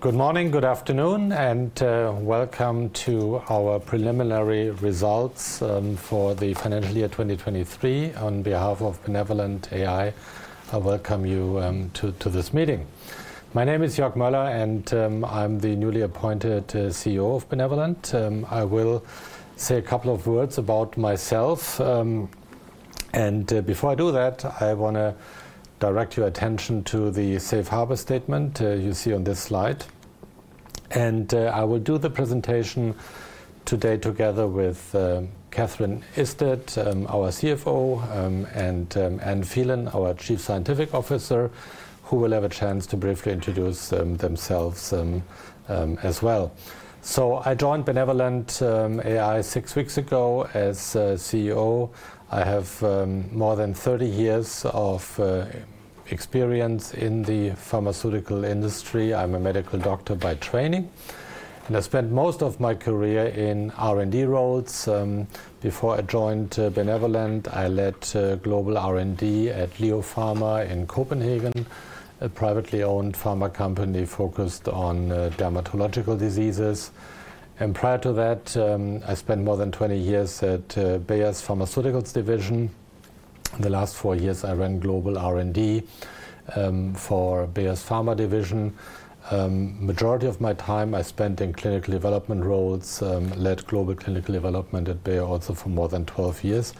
Good morning, good afternoon, and welcome to our preliminary results for the financial year 2023. On behalf of BenevolentAI, I welcome you to this meeting. My name is Joerg Moeller, and I'm the newly appointed CEO of BenevolentAI. I will say a couple of words about myself. Before I do that, I want to direct your attention to the Safe Harbor statement you see on this slide. I will do the presentation today together with Catherine Isted, our CFO, and Anne Phelan, our Chief Scientific Officer, who will have a chance to briefly introduce themselves as well. I joined BenevolentAI six weeks ago as CEO. I have more than 30 years of experience in the pharmaceutical industry. I'm a medical doctor by training. I spent most of my career in R&D roles. Before I joined Benevolent, I led global R&D at Leo Pharma in Copenhagen, a privately owned pharma company focused on dermatological diseases. Prior to that, I spent more than 20 years at Bayer's Pharmaceuticals Division. In the last four years, I ran global R&D for Bayer's Pharma Division. The majority of my time, I spent in clinical development roles, led global clinical development at Bayer also for more than 12 years.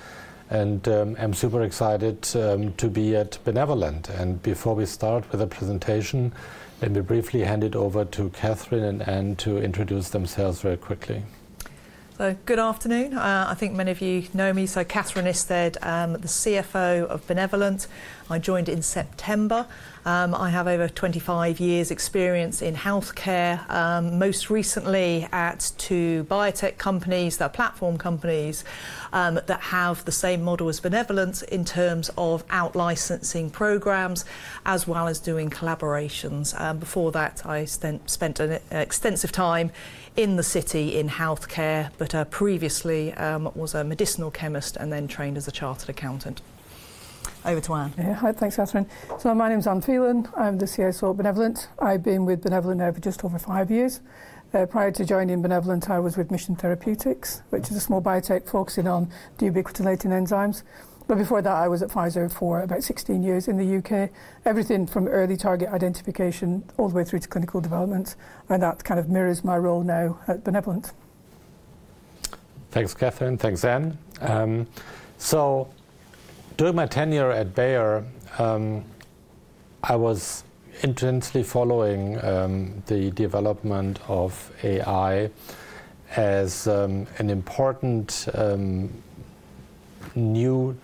I'm super excited to be at Benevolent. Before we start with the presentation, let me briefly hand it over to Catherine and Anne to introduce themselves very quickly. Good afternoon. I think many of you know me. So Catherine Isted, the CFO of BenevolentAI. I joined in September. I have over 25 years' experience in healthcare, most recently at two biotech companies that are platform companies that have the same model as BenevolentAI in terms of out-licensing programs as well as doing collaborations. Before that, I spent an extensive time in the city in healthcare, but previously was a medicinal chemist and then trained as a chartered accountant. Over to Anne. Thanks, Catherine. So my name is Anne Phelan. I'm the CSO at Benevolent. I've been with Benevolent now for just over five years. Prior to joining Benevolent, I was with Mission Therapeutics, which is a small biotech focusing on deubiquitinating enzymes. But before that, I was at Pfizer for about 16 years in the U.K., everything from early target identification all the way through to clinical development. And that kind of mirrors my role now at Benevolent. Thanks, Catherine. Thanks, Anne. So during my tenure at Bayer, I was intensely following the development of AI as an important new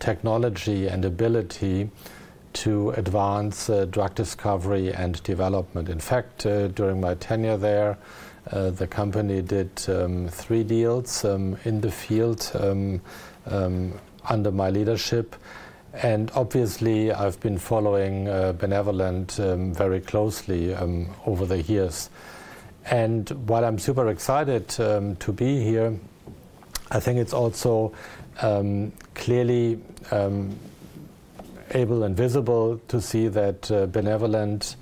technology and ability to advance drug discovery and development. In fact, during my tenure there, the company did three deals in the field under my leadership. And obviously, I've been following Benevolent very closely over the years. And while I'm super excited to be here, I think it's also clearly able and visible to see that Benevolent,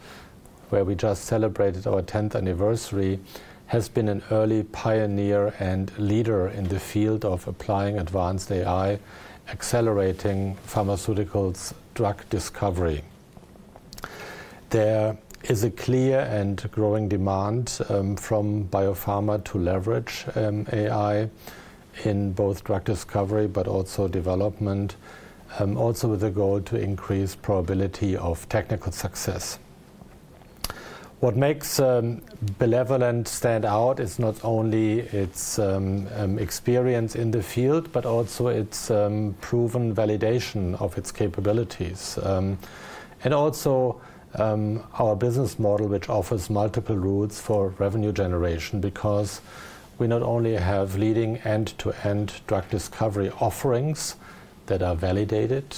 where we just celebrated our 10th anniversary, has been an early pioneer and leader in the field of applying advanced AI, accelerating pharmaceuticals' drug discovery. There is a clear and growing demand from biopharma to leverage AI in both drug discovery but also development, also with the goal to increase probability of technical success. What makes BenevolentAI stand out is not only its experience in the field but also its proven validation of its capabilities and also our business model, which offers multiple routes for revenue generation because we not only have leading end-to-end drug discovery offerings that are validated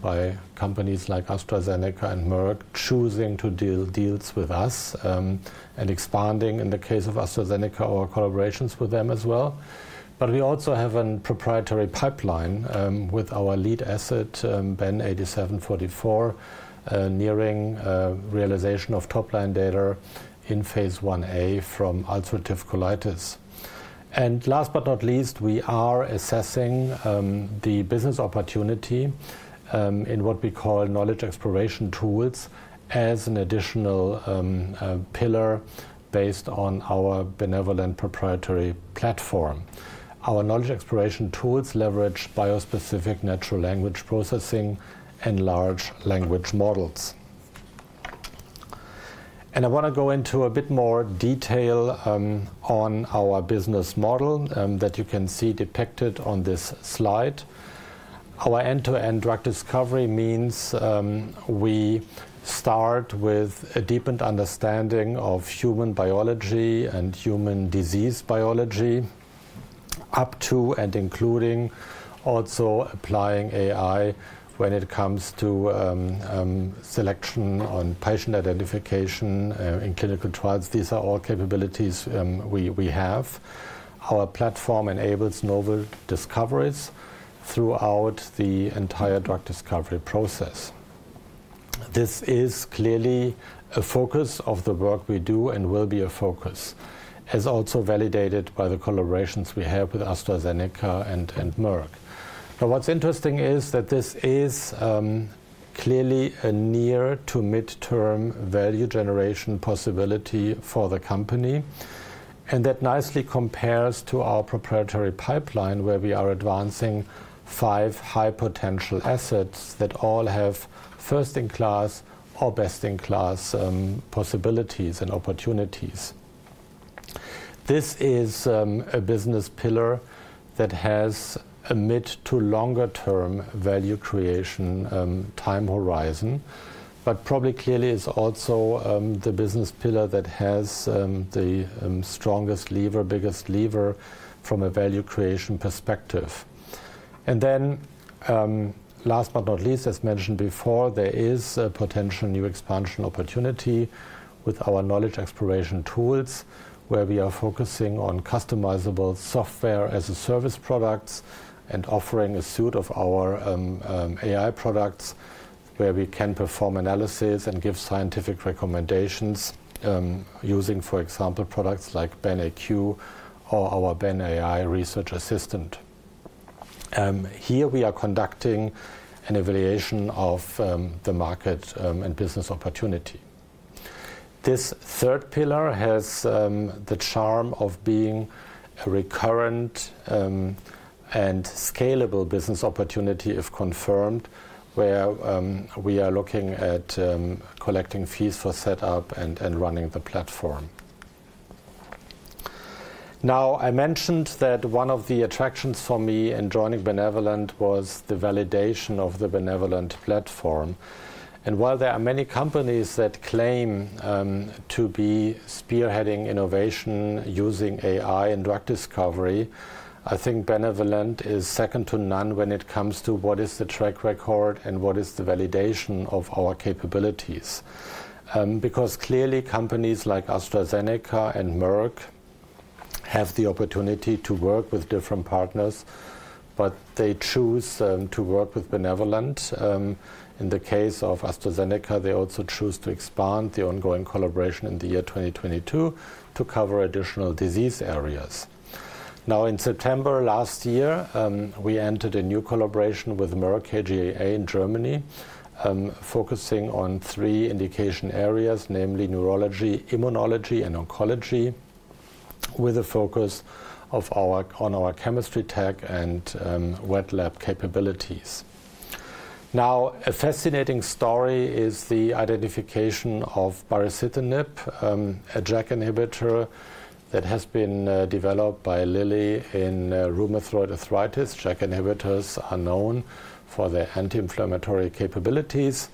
by companies like AstraZeneca and Merck choosing to do deals with us and expanding, in the case of AstraZeneca, our collaborations with them as well. But we also have a proprietary pipeline with our lead asset, BEN-8744, nearing realization of top-line data in phase 1a from ulcerative colitis. And last but not least, we are assessing the business opportunity in what we call knowledge exploration tools as an additional pillar based on our BenevolentAI proprietary platform. Our knowledge exploration tools leverage biospecific natural language processing and large language models. I want to go into a bit more detail on our business model that you can see depicted on this slide. Our end-to-end drug discovery means we start with a deepened understanding of human biology and human disease biology up to and including also applying AI when it comes to selection on patient identification in clinical trials. These are all capabilities we have. Our platform enables novel discoveries throughout the entire drug discovery process. This is clearly a focus of the work we do and will be a focus, as also validated by the collaborations we have with AstraZeneca and Merck. Now, what's interesting is that this is clearly a near-to-mid-term value generation possibility for the company. That nicely compares to our proprietary pipeline, where we are advancing five high-potential assets that all have first-in-class or best-in-class possibilities and opportunities. This is a business pillar that has a mid-to-longer-term value creation time horizon, but probably clearly is also the business pillar that has the strongest lever, biggest lever from a value creation perspective. Then, last but not least, as mentioned before, there is a potential new expansion opportunity with our knowledge exploration tools, where we are focusing on customizable software-as-a-service products and offering a suite of our AI products, where we can perform analysis and give scientific recommendations using, for example, products like BenAQ or our BenAI research assistant. Here, we are conducting an evaluation of the market and business opportunity. This third pillar has the charm of being a recurrent and scalable business opportunity, if confirmed, where we are looking at collecting fees for setup and running the platform. Now, I mentioned that one of the attractions for me in joining Benevolent was the validation of the Benevolent platform. While there are many companies that claim to be spearheading innovation using AI in drug discovery, I think Benevolent is second to none when it comes to what is the track record and what is the validation of our capabilities. Because clearly, companies like AstraZeneca and Merck have the opportunity to work with different partners, but they choose to work with Benevolent. In the case of AstraZeneca, they also choose to expand the ongoing collaboration in the year 2022 to cover additional disease areas. Now, in September last year, we entered a new collaboration with Merck KGaA in Germany, focusing on three indication areas, namely neurology, immunology, and oncology, with a focus on our chemistry tech and wet lab capabilities. Now, a fascinating story is the identification of baricitinib, a JAK inhibitor that has been developed by Lilly in rheumatoid arthritis. JAK inhibitors are known for their anti-inflammatory capabilities.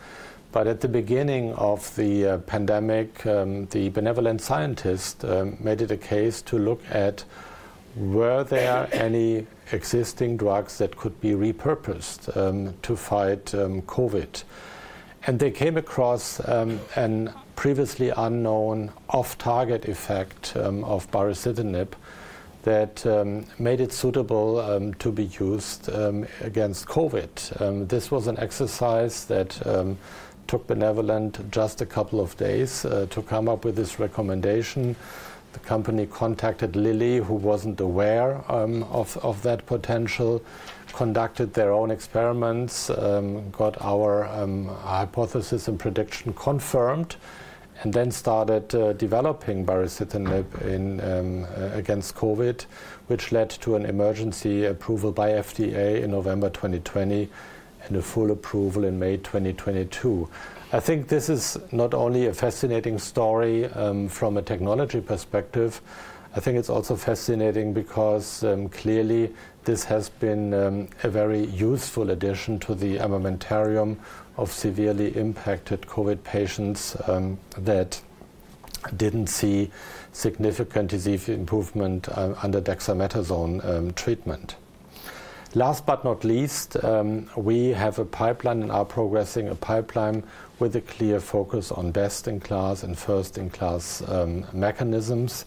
But at the beginning of the pandemic, the Benevolent scientist made it a case to look at, were there any existing drugs that could be repurposed to fight COVID? And they came across a previously unknown off-target effect of baricitinib that made it suitable to be used against COVID. This was an exercise that took Benevolent just a couple of days to come up with this recommendation. The company contacted Lilly, who wasn't aware of that potential, conducted their own experiments, got our hypothesis and prediction confirmed, and then started developing baricitinib against COVID, which led to an emergency approval by FDA in November 2020 and a full approval in May 2022. I think this is not only a fascinating story from a technology perspective. I think it's also fascinating because clearly, this has been a very useful addition to the armamentarium of severely impacted COVID patients that didn't see significant disease improvement under dexamethasone treatment. Last but not least, we have a pipeline, and are progressing a pipeline with a clear focus on best-in-class and first-in-class mechanisms,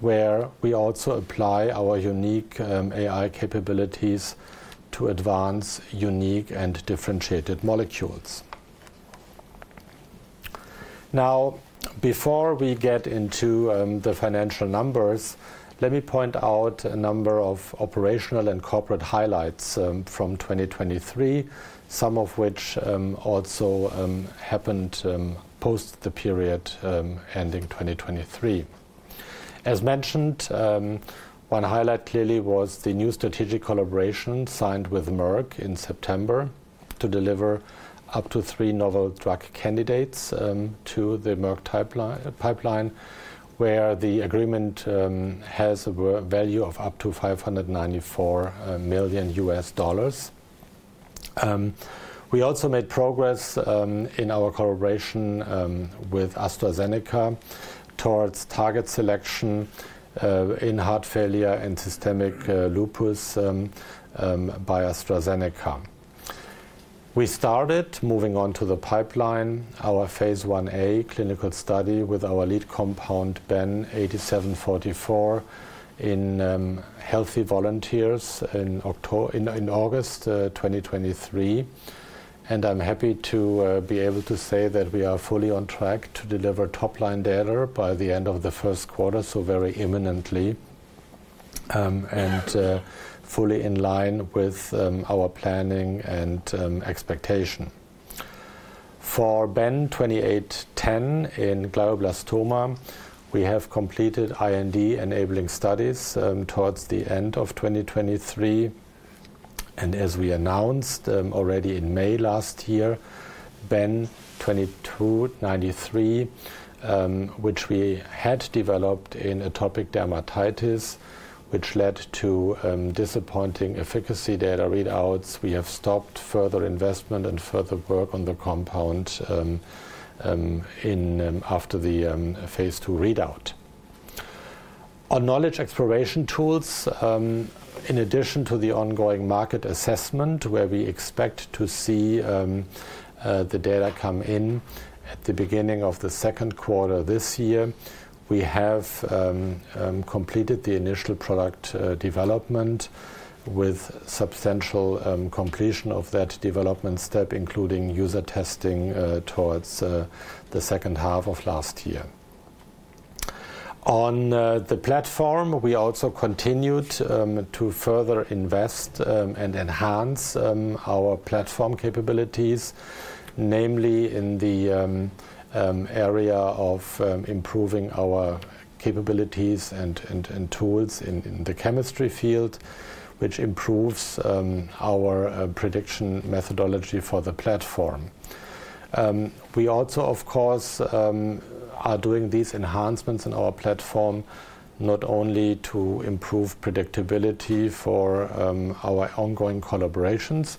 where we also apply our unique AI capabilities to advance unique and differentiated molecules. Now, before we get into the financial numbers, let me point out a number of operational and corporate highlights from 2023, some of which also happened post the period ending 2023. As mentioned, one highlight clearly was the new strategic collaboration signed with Merck in September to deliver up to three novel drug candidates to the Merck pipeline, where the agreement has a value of up to $594 million. We also made progress in our collaboration with AstraZeneca towards target selection in heart failure and systemic lupus by AstraZeneca. We started moving on to the pipeline, our phase 1a clinical study with our lead compound BEN-8744 in healthy volunteers in August 2023. I'm happy to be able to say that we are fully on track to deliver top-line data by the end of the first quarter, so very imminently, and fully in line with our planning and expectation. For BEN-28010 in glioblastoma, we have completed IND-enabling studies towards the end of 2023. As we announced already in May last year, BEN-2293, which we had developed in atopic dermatitis, which led to disappointing efficacy data readouts, we have stopped further investment and further work on the compound after the phase 2 readout. On knowledge exploration tools, in addition to the ongoing market assessment, where we expect to see the data come in at the beginning of the second quarter this year, we have completed the initial product development with substantial completion of that development step, including user testing towards the second half of last year. On the platform, we also continued to further invest and enhance our platform capabilities, namely in the area of improving our capabilities and tools in the chemistry field, which improves our prediction methodology for the platform. We also, of course, are doing these enhancements in our platform not only to improve predictability for our ongoing collaborations,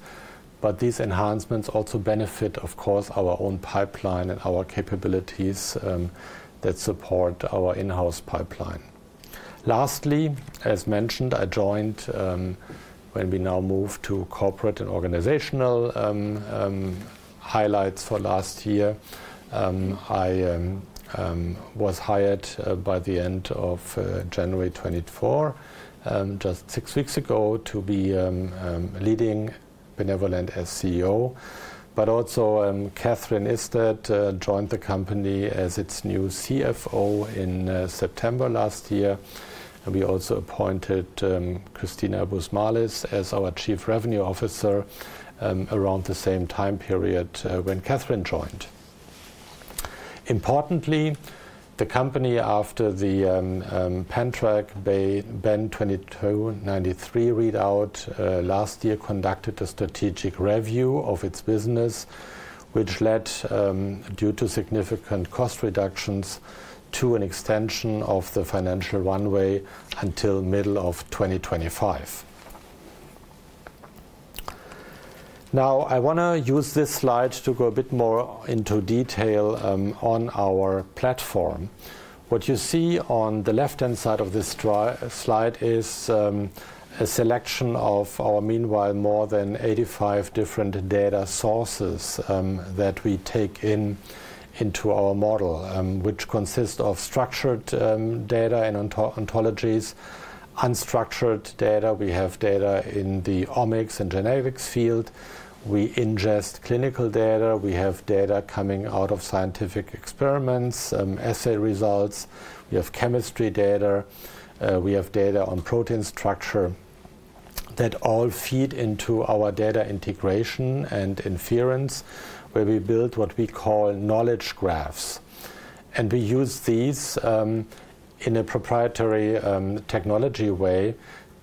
but these enhancements also benefit, of course, our own pipeline and our capabilities that support our in-house pipeline. Lastly, as mentioned, I joined when we now move to corporate and organizational highlights for last year. I was hired by the end of January 2024, just six weeks ago, to be leading BenevolentAI as CEO. But also, Catherine Isted joined the company as its new CFO in September last year. And we also appointed Christina Busmalis as our Chief Revenue Officer around the same time period when Catherine joined. Importantly, the company, after the pan-Trk BEN-2293 readout last year, conducted a strategic review of its business, which led, due to significant cost reductions, to an extension of the financial runway until middle of 2025. Now, I want to use this slide to go a bit more into detail on our platform. What you see on the left-hand side of this slide is a selection of our, meanwhile, more than 85 different data sources that we take into our model, which consist of structured data and ontologies, unstructured data. We have data in the omics and genetics field. We ingest clinical data. We have data coming out of scientific experiments, assay results. We have chemistry data. We have data on protein structure that all feed into our data integration and inference, where we build what we call knowledge graphs. And we use these in a proprietary technology way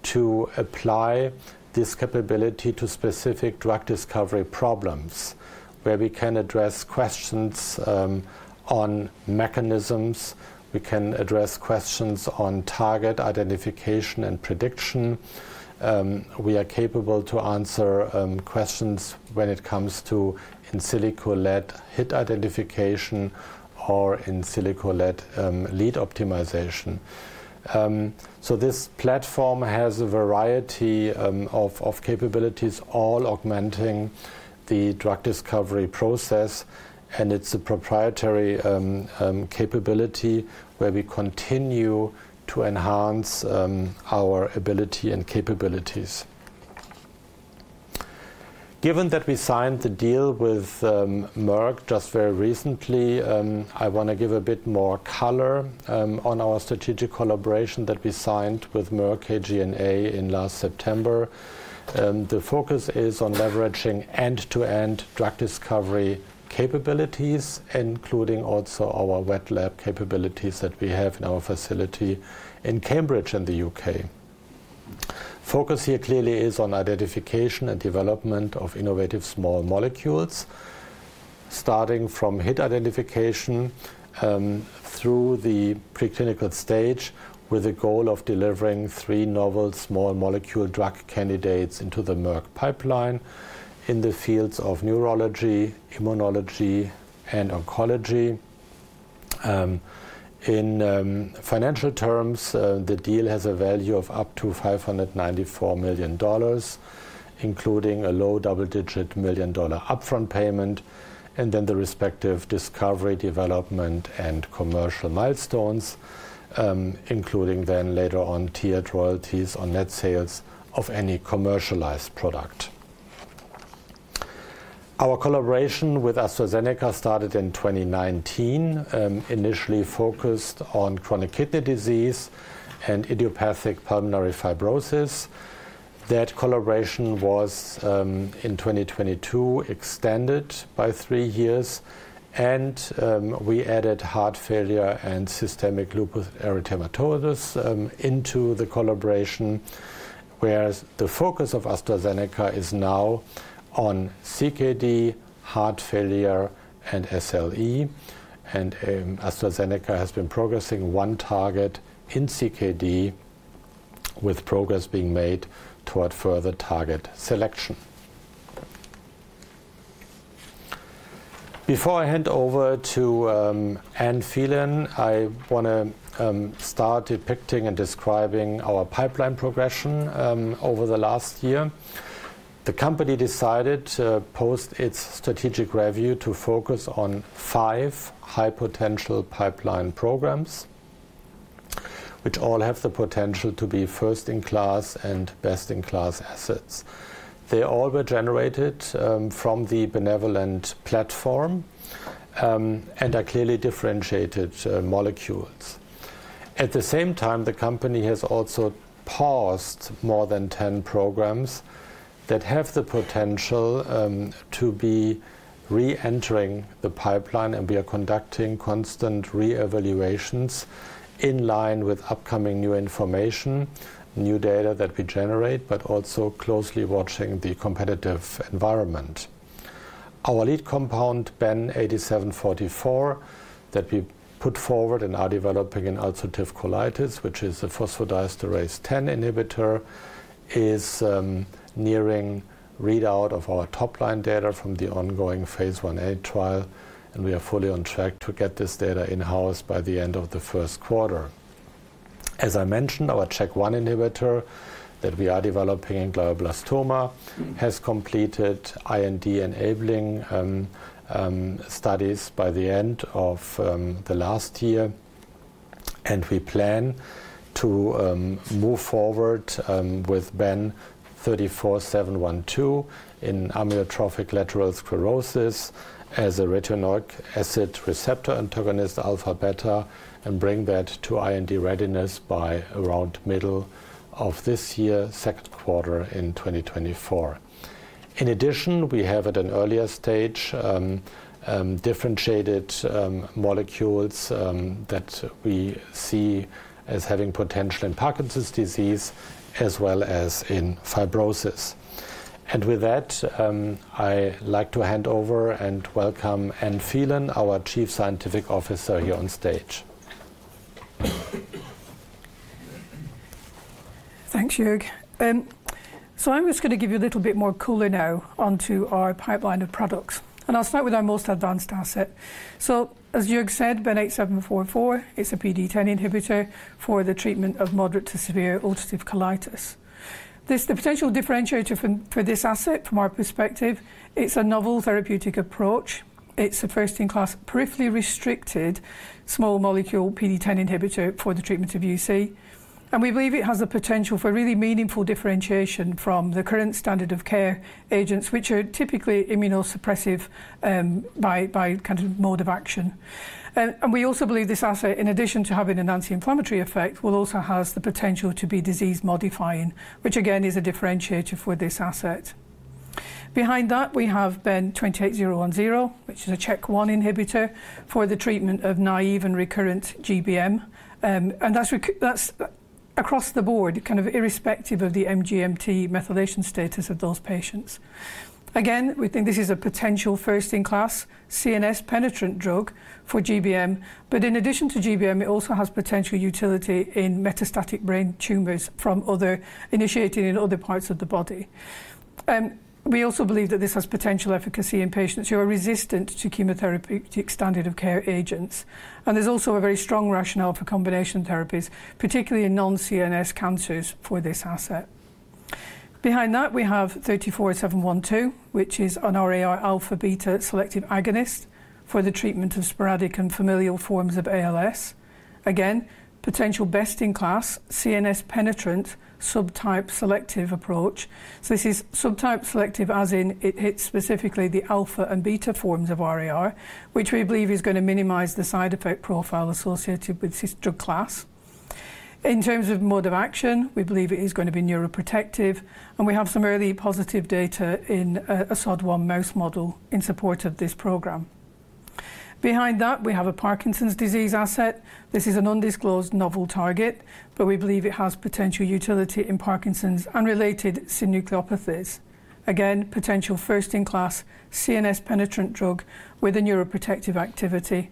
to apply this capability to specific drug discovery problems, where we can address questions on mechanisms. We can address questions on target identification and prediction. We are capable to answer questions when it comes to in silico-led hit identification or in silico-led lead optimization. So this platform has a variety of capabilities, all augmenting the drug discovery process. And it's a proprietary capability where we continue to enhance our ability and capabilities. Given that we signed the deal with Merck just very recently, I want to give a bit more color on our strategic collaboration that we signed with Merck KGaA in last September. The focus is on leveraging end-to-end drug discovery capabilities, including also our wet lab capabilities that we have in our facility in Cambridge in the UK. Focus here clearly is on identification and development of innovative small molecules, starting from hit identification through the preclinical stage, with the goal of delivering three novel small molecule drug candidates into the Merck pipeline in the fields of neurology, immunology, and oncology. In financial terms, the deal has a value of up to $594 million, including a low double-digit million-dollar upfront payment, and then the respective discovery, development, and commercial milestones, including then later on tiered royalties on net sales of any commercialized product. Our collaboration with AstraZeneca started in 2019, initially focused on chronic kidney disease and idiopathic pulmonary fibrosis. That collaboration was, in 2022, extended by three years. We added heart failure and systemic lupus erythematosus into the collaboration, where the focus of AstraZeneca is now on CKD, heart failure, and SLE. AstraZeneca has been progressing one target in CKD, with progress being made toward further target selection. Before I hand over to Anne Phelan, I want to start depicting and describing our pipeline progression over the last year. The company decided post its strategic review to focus on five high-potential pipeline programs, which all have the potential to be first-in-class and best-in-class assets. They all were generated from the Benevolent Platform and are clearly differentiated molecules. At the same time, the company has also paused more than 10 programs that have the potential to be re-entering the pipeline. We are conducting constant re-evaluations in line with upcoming new information, new data that we generate, but also closely watching the competitive environment. Our lead compound BEN-8744 that we put forward and are developing in ulcerative colitis, which is a phosphodiesterase 10 inhibitor, is nearing readout of our top-line data from the ongoing Phase 1a trial. We are fully on track to get this data in-house by the end of the first quarter. As I mentioned, our CHK1 inhibitor that we are developing in glioblastoma has completed IND-enabling studies by the end of last year. We plan to move forward with BEN-34712 in amyotrophic lateral sclerosis as a retinoic acid receptor agonist, alpha beta, and bring that to IND readiness by around middle of this year, second quarter in 2024. In addition, we have at an earlier stage differentiated molecules that we see as having potential in Parkinson's disease as well as in fibrosis. With that, I'd like to hand over and welcome Anne Phelan, our Chief Scientific Officer, here on stage. Thanks, Jörg. I'm just going to give you a little bit more color now onto our pipeline of products. I'll start with our most advanced asset. As Jörg said, BEN-8744, it's a PDE10 inhibitor for the treatment of moderate to severe ulcerative colitis. The potential differentiator for this asset, from our perspective, it's a novel therapeutic approach. It's a first-in-class, peripherally restricted small molecule PDE10 inhibitor for the treatment of UC. We believe it has the potential for really meaningful differentiation from the current standard of care agents, which are typically immunosuppressive by mode of action. We also believe this asset, in addition to having an anti-inflammatory effect, will also have the potential to be disease-modifying, which, again, is a differentiator for this asset. Behind that, we have BEN-28010, which is a CHK1 inhibitor for the treatment of naive and recurrent GBM. That's across the board, kind of irrespective of the MGMT methylation status of those patients. Again, we think this is a potential first-in-class CNS-penetrant drug for GBM. But in addition to GBM, it also has potential utility in metastatic brain tumors originating in other parts of the body. We also believe that this has potential efficacy in patients who are resistant to chemotherapeutic standard of care agents. And there's also a very strong rationale for combination therapies, particularly in non-CNS cancers, for this asset. Behind that, we have 34712, which is an RAR alpha/beta selective agonist for the treatment of sporadic and familial forms of ALS. Again, potential best-in-class CNS-penetrant subtype selective approach. So this is subtype selective as in it hits specifically the alpha and beta forms of RAR, which we believe is going to minimize the side effect profile associated with this drug class. In terms of mode of action, we believe it is going to be neuroprotective. We have some early positive data in a SOD1 mouse model in support of this program. Behind that, we have a Parkinson's disease asset. This is an undisclosed novel target, but we believe it has potential utility in Parkinson's and related synucleinopathies. Again, potential first-in-class CNS-penetrant drug with a neuroprotective activity.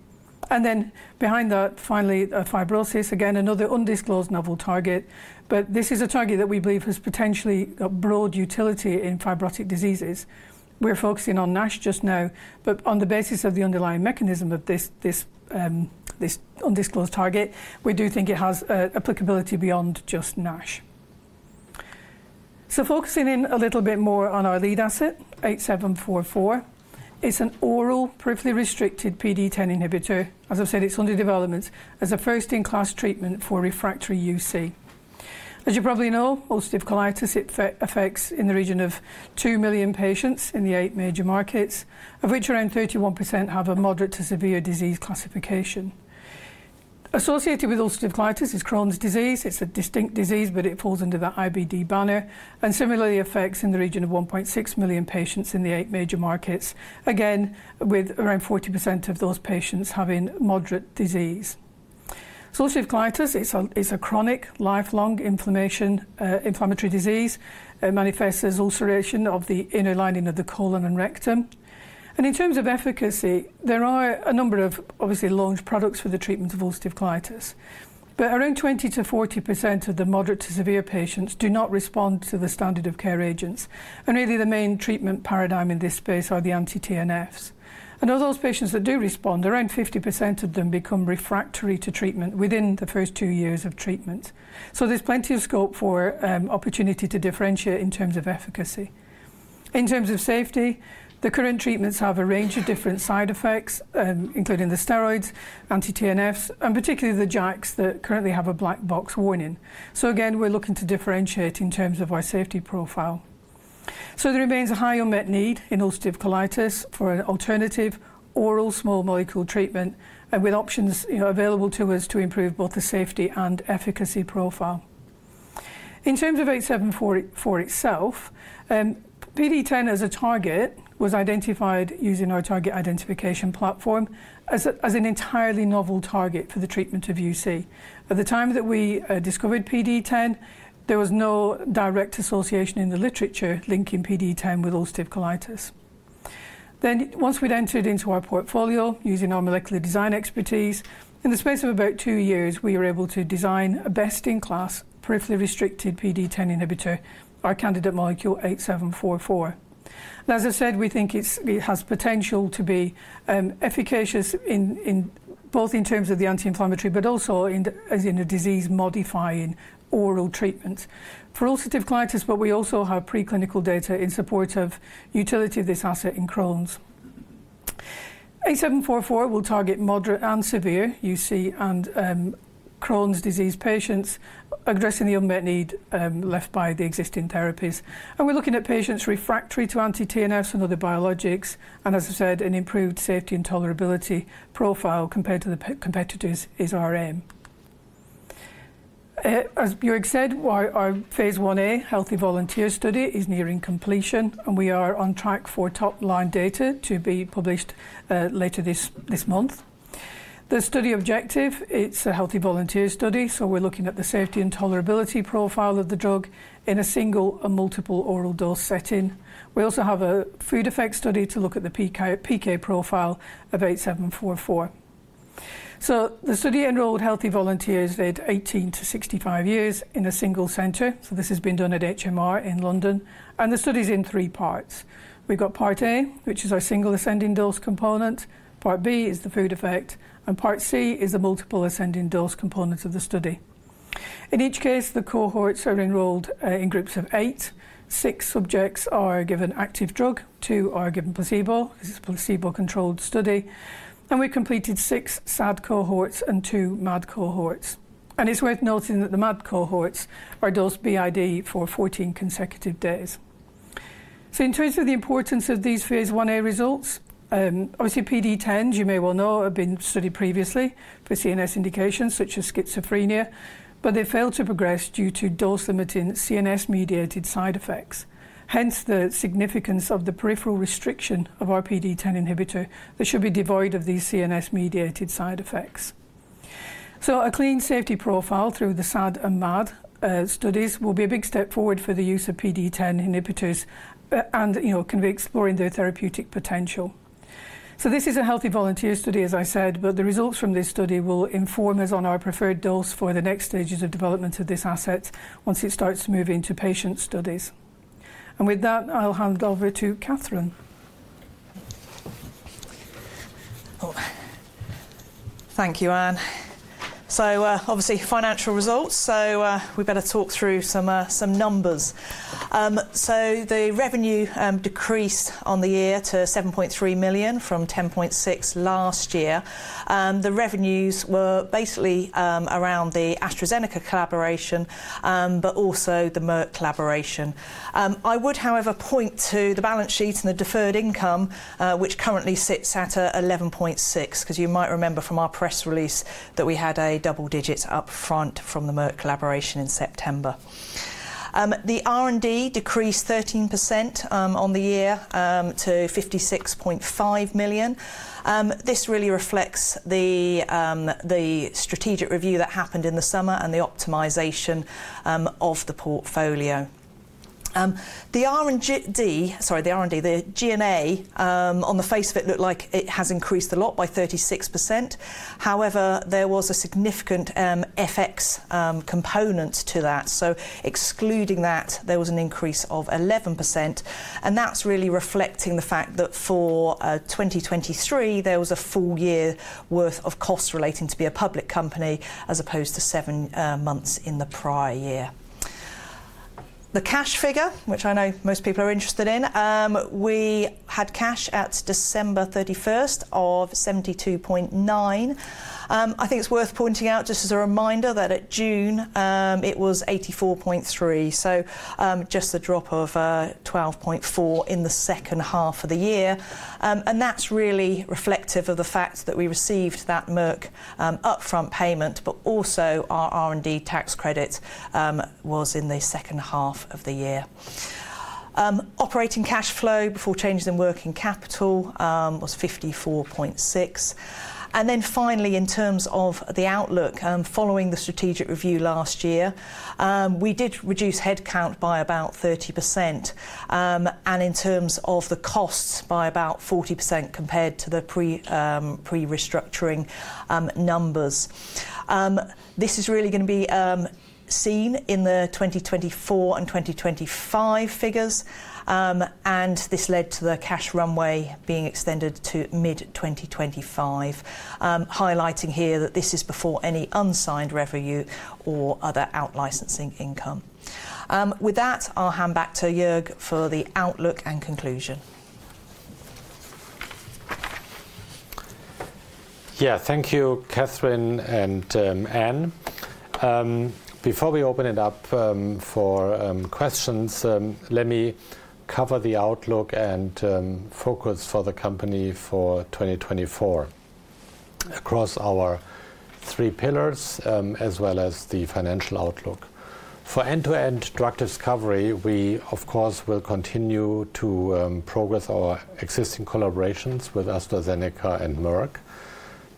And then behind that, finally, fibrosis, again, another undisclosed novel target. But this is a target that we believe has potentially broad utility in fibrotic diseases. We're focusing on NASH just now. But on the basis of the underlying mechanism of this undisclosed target, we do think it has applicability beyond just NASH. So, focusing in a little bit more on our lead asset, 8744, it's an oral, peripherally restricted PDE10 inhibitor. As I've said, it's under development as a first-in-class treatment for refractory UC. As you probably know, ulcerative colitis affects in the region of 2 million patients in the eight major markets, of which around 31% have a moderate to severe disease classification. Associated with ulcerative colitis is Crohn's disease. It's a distinct disease, but it falls under the IBD banner. And similarly, it affects in the region of 1.6 million patients in the eight major markets, again, with around 40% of those patients having moderate disease. Ulcerative colitis, it's a chronic, lifelong inflammatory disease. It manifests as ulceration of the inner lining of the colon and rectum. And in terms of efficacy, there are a number of, obviously, launched products for the treatment of ulcerative colitis. But around 20%-40% of the moderate to severe patients do not respond to the standard of care agents. And really, the main treatment paradigm in this space are the anti-TNFs. Of those patients that do respond, around 50% of them become refractory to treatment within the first two years of treatment. There's plenty of scope for opportunity to differentiate in terms of efficacy. In terms of safety, the current treatments have a range of different side effects, including the steroids, anti-TNFs, and particularly the JAKs that currently have a black box warning. So, again, we're looking to differentiate in terms of our safety profile. There remains a high unmet need in ulcerative colitis for an alternative oral small molecule treatment, with options available to us to improve both the safety and efficacy profile. In terms of BEN-8744 itself, PDE10 as a target was identified using our target identification platform as an entirely novel target for the treatment of UC. At the time that we discovered PDE10, there was no direct association in the literature linking PDE10 with ulcerative colitis. Then, once we'd entered into our portfolio using our molecular design expertise, in the space of about two years, we were able to design a best-in-class, peripherally restricted PDE10 inhibitor, our candidate molecule 8744. And, as I've said, we think it has potential to be efficacious both in terms of the anti-inflammatory, but also as in a disease-modifying oral treatment for ulcerative colitis. But we also have preclinical data in support of the utility of this asset in Crohn's. 8744 will target moderate and severe UC and Crohn's disease patients, addressing the unmet need left by the existing therapies. And we're looking at patients refractory to anti-TNFs and other biologics. And, as I've said, an improved safety and tolerability profile compared to the competitors is our aim. As Jörg said, our phase 1a healthy volunteer study is nearing completion. We are on track for top-line data to be published later this month. The study objective, it's a healthy volunteer study. So we're looking at the safety and tolerability profile of the drug in a single and multiple oral dose setting. We also have a food effect study to look at the PK profile of 8744. So the study enrolled healthy volunteers aged 18 to 65 years in a single center. So this has been done at HMR in London. And the study is in three parts. We've got part A, which is our single ascending dose component. Part B is the food effect. And part C is the multiple ascending dose components of the study. In each case, the cohorts are enrolled in groups of eight. Six subjects are given active drug. 2 are given placebo, because it's a placebo-controlled study. We completed 6 SAD cohorts and 2 MAD cohorts. It's worth noting that the MAD cohorts are dosed BID for 14 consecutive days. So, in terms of the importance of these Phase 1a results, obviously, PDE10s, you may well know, have been studied previously for CNS indications, such as schizophrenia. But they failed to progress due to dose-limiting CNS-mediated side effects. Hence, the significance of the peripheral restriction of our PDE10 inhibitor. They should be devoid of these CNS-mediated side effects. So, a clean safety profile through the SAD and MAD studies will be a big step forward for the use of PDE10 inhibitors and can be exploring their therapeutic potential. This is a healthy volunteer study, as I said. But the results from this study will inform us on our preferred dose for the next stages of development of this asset once it starts moving to patient studies. And with that, I'll hand over to Catherine. Thank you, Anne. Obviously, financial results. We better talk through some numbers. The revenue decreased year-over-year to $7.3 million from $10.6 million last year. The revenues were basically around the AstraZeneca collaboration, but also the Merck collaboration. I would, however, point to the balance sheet and the deferred income, which currently sits at $11.6 million, because you might remember from our press release that we had a double-digit upfront from the Merck collaboration in September. The R&D decreased 13% year-over-year to $56.5 million. This really reflects the strategic review that happened in the summer and the optimization of the portfolio. The R&D, sorry, the R&D, the G&A, on the face of it, looked like it has increased a lot by 36%. However, there was a significant FX component to that. So, excluding that, there was an increase of 11%. That's really reflecting the fact that for 2023, there was a full year worth of costs relating to be a public company, as opposed to seven months in the prior year. The cash figure, which I know most people are interested in, we had cash at December 31st of $72.9 million. I think it's worth pointing out, just as a reminder, that at June it was $84.3 million. Just the drop of $12.4 million in the second half of the year. That's really reflective of the fact that we received that Merck upfront payment, but also our R&D tax credit was in the second half of the year. Operating cash flow before changes in working capital was $54.6 million. Then, finally, in terms of the outlook, following the strategic review last year, we did reduce headcount by about 30%. In terms of the costs, by about 40% compared to the pre-restructuring numbers. This is really going to be seen in the 2024 and 2025 figures. This led to the cash runway being extended to mid-2025, highlighting here that this is before any unsigned revenue or other out-licensing income. With that, I'll hand back to Jörg for the outlook and conclusion. Yes, thank you, Catherine and Anne. Before we open it up for questions, let me cover the outlook and focus for the company for 2024 across our three pillars, as well as the financial outlook. For end-to-end drug discovery, we, of course, will continue to progress our existing collaborations with AstraZeneca and Merck.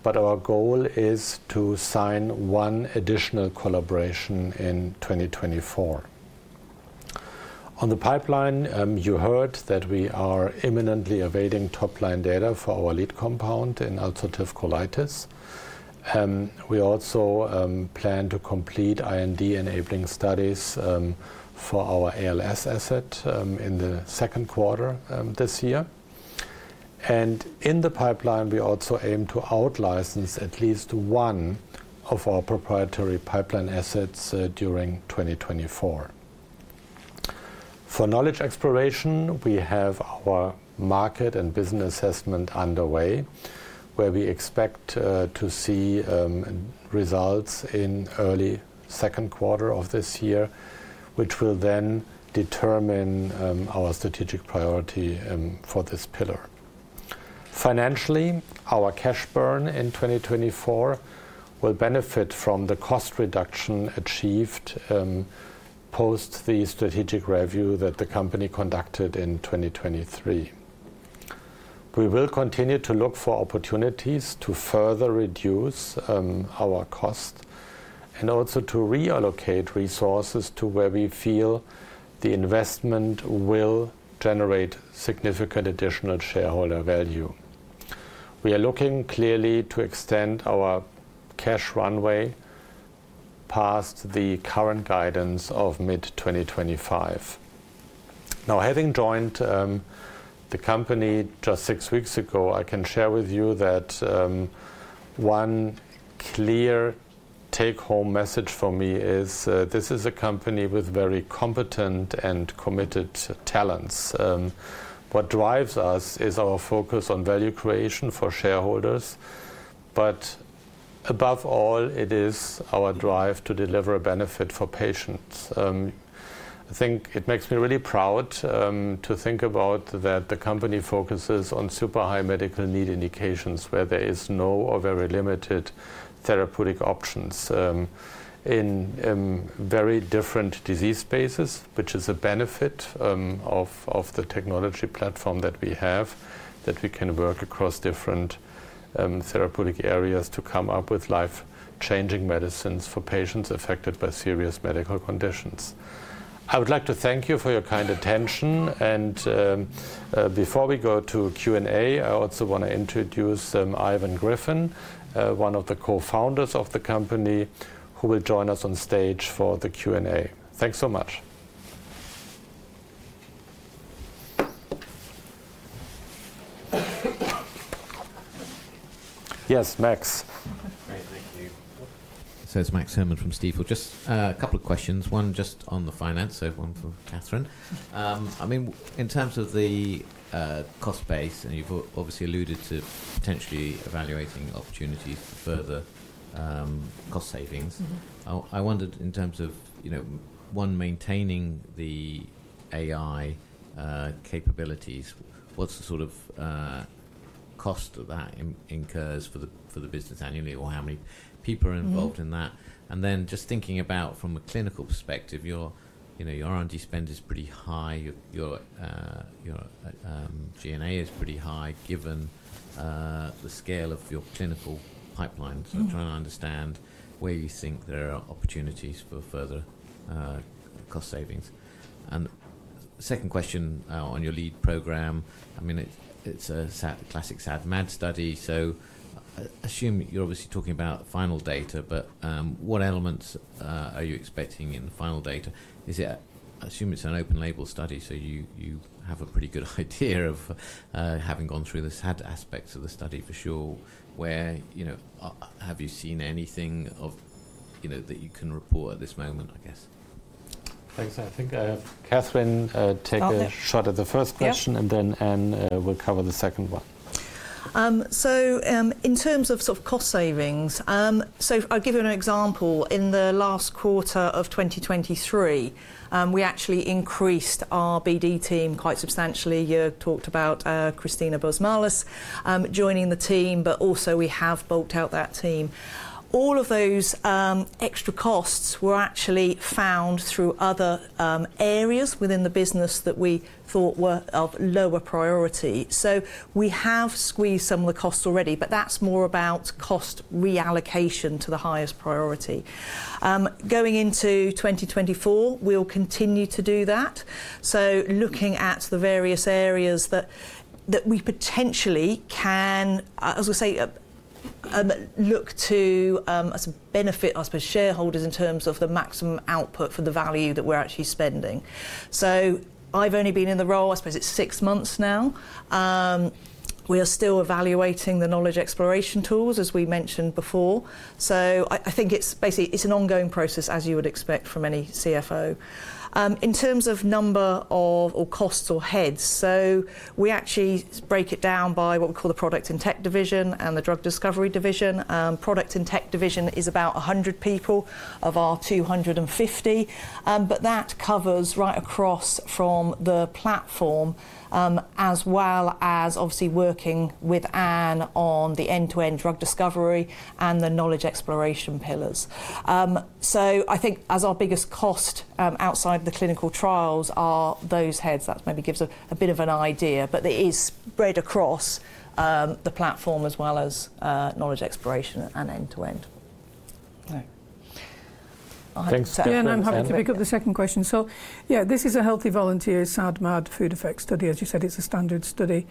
But our goal is to sign one additional collaboration in 2024. On the pipeline, you heard that we are imminently awaiting top-line data for our lead compound in ulcerative colitis. We also plan to complete IND-enabling studies for our ALS asset in the second quarter this year. And in the pipeline, we also aim to out-license at least one of our proprietary pipeline assets during 2024. For knowledge exploration, we have our market and business assessment underway, where we expect to see results in early second quarter of this year, which will then determine our strategic priority for this pillar. Financially, our cash burn in 2024 will benefit from the cost reduction achieved post the strategic review that the company conducted in 2023. We will continue to look for opportunities to further reduce our costs and also to reallocate resources to where we feel the investment will generate significant additional shareholder value. We are looking clearly to extend our cash runway past the current guidance of mid-2025. Now, having joined the company just six weeks ago, I can share with you that one clear take-home message for me is this is a company with very competent and committed talents. What drives us is our focus on value creation for shareholders. But above all, it is our drive to deliver a benefit for patients. I think it makes me really proud to think about that the company focuses on super high medical need indications, where there are no or very limited therapeutic options in very different disease spaces, which is a benefit of the technology platform that we have, that we can work across different therapeutic areas to come up with life-changing medicines for patients affected by serious medical conditions. I would like to thank you for your kind attention. Before we go to Q&A, I also want to introduce Ivan Griffin, one of the co-founders of the company, who will join us on stage for the Q&A. Thanks so much. Yes, Max. Great, thank you. So, it's Max Herrmann from Stifel. Just a couple of questions. One just on the finance, so one for Catherine. I mean, in terms of the cost base, and you've obviously alluded to potentially evaluating opportunities for further cost savings, I wondered, in terms of, one, maintaining the AI capabilities, what's the sort of cost that incurs for the business annually, or how many people are involved in that? And then, just thinking about from a clinical perspective, your R&D spend is pretty high. Your G&A is pretty high, given the scale of your clinical pipeline. So I'm trying to understand where you think there are opportunities for further cost savings. And second question on your lead program, I mean, it's a classic SAD/MAD study. So assume you're obviously talking about final data. But what elements are you expecting in the final data? Assume it's an open-label study. So you have a pretty good idea of having gone through the SAD aspects of the study, for sure. Have you seen anything that you can report at this moment, I guess? Thanks. I think I have Catherine take a shot at the first question. Then, Anne will cover the second one. So, in terms of sort of cost savings, so I'll give you an example. In the last quarter of 2023, we actually increased our BD team quite substantially. Jörg talked about Christina Busmalis joining the team. But also, we have bulked out that team. All of those extra costs were actually found through other areas within the business that we thought were of lower priority. So we have squeezed some of the costs already. But that's more about cost reallocation to the highest priority. Going into 2024, we'll continue to do that. So, looking at the various areas that we potentially can, as we say, look to benefit, I suppose, shareholders in terms of the maximum output for the value that we're actually spending. So I've only been in the role, I suppose, it's six months now. We are still evaluating the knowledge exploration tools, as we mentioned before. So I think it's basically, it's an ongoing process, as you would expect from any CFO. In terms of number of costs or heads, so we actually break it down by what we call the Product and Tech Division and the Drug Discovery Division. Product and Tech Division is about 100 people of our 250. But that covers right across from the platform, as well as, obviously, working with Anne on the end-to-end drug discovery and the knowledge exploration pillars. So I think, as our biggest cost outside of the clinical trials are those heads. That maybe gives a bit of an idea. But it is spread across the platform, as well as knowledge exploration and end-to-end. Thanks. Yeah, and I'm happy to pick up the second question. So, yes, this is a healthy volunteer SAD/MAD food effect study. As you said, it's a standard study.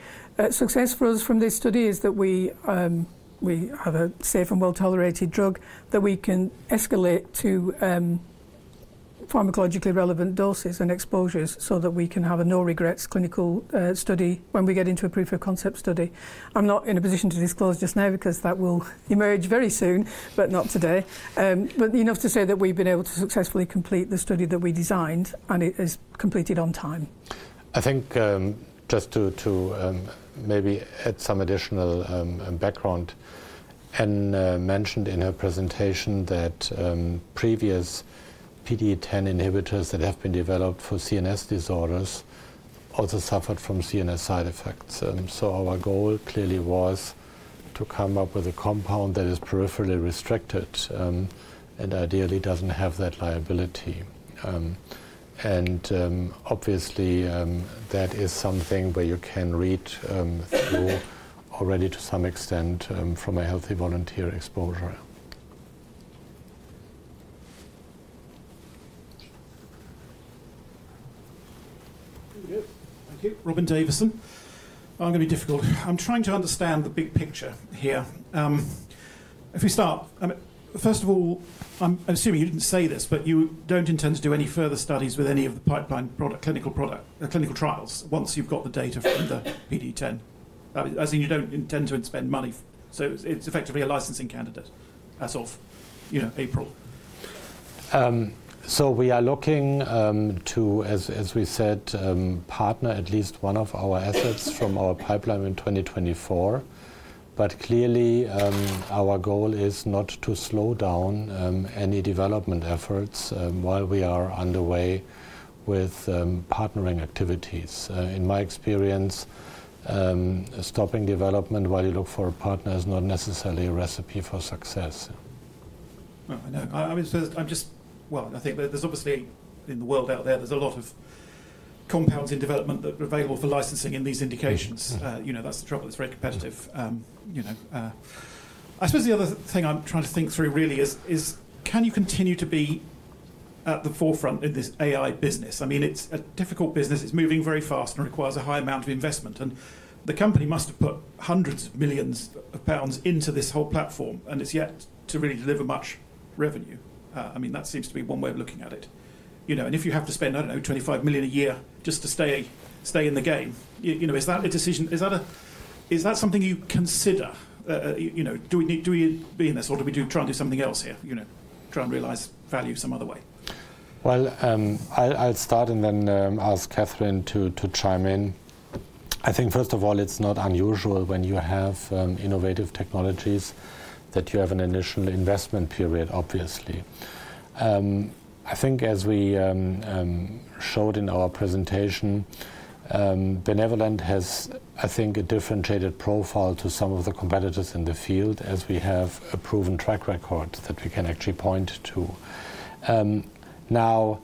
Success for us from this study is that we have a safe and well-tolerated drug that we can escalate to pharmacologically relevant doses and exposures, so that we can have a no-regrets clinical study when we get into a proof-of-concept study. I'm not in a position to disclose just now, because that will emerge very soon, but not today. But enough to say that we have been able to successfully complete the study that we designed. And it is completed on time. I think, just to maybe add some additional background, Anne mentioned in her presentation that previous PDE10 inhibitors that have been developed for CNS disorders also suffered from CNS side effects. Our goal clearly was to come up with a compound that is peripherally restricted and ideally doesn't have that liability. Obviously, that is something where you can read through already, to some extent, from a healthy volunteer exposure. Yes, thank you. Robin Davison. I'm going to be difficult. I'm trying to understand the big picture here. If we start, first of all, I'm assuming you didn't say this, but you don't intend to do any further studies with any of the pipeline clinical trials once you've got the data from the PDE10? I mean, you don't intend to spend money. So it's effectively a licensing candidate as of April. We are looking to, as we said, partner at least one of our assets from our pipeline in 2024. But clearly, our goal is not to slow down any development efforts while we are underway with partnering activities. In my experience, stopping development while you look for a partner is not necessarily a recipe for success. Well, I know. I mean, I suppose I'm just, well, I think there's obviously, in the world out there, there's a lot of compounds in development that are available for licensing in these indications. That's the trouble. It's very competitive. I suppose the other thing I'm trying to think through, really, is can you continue to be at the forefront in this AI business? I mean, it's a difficult business. It's moving very fast and requires a high amount of investment. And the company must have put hundreds of millions GBP into this whole platform. And it's yet to really deliver much revenue. I mean, that seems to be one way of looking at it. And if you have to spend, I don't know, $25 million a year just to stay in the game, is that a decision? Is that something you consider? Do we need to be in this, or do we try and do something else here, try and realize value some other way? Well, I'll start and then ask Catherine to chime in. I think, first of all, it's not unusual when you have innovative technologies that you have an initial investment period, obviously. I think, as we showed in our presentation, Benevolent has, I think, a differentiated profile to some of the competitors in the field, as we have a proven track record that we can actually point to. Now,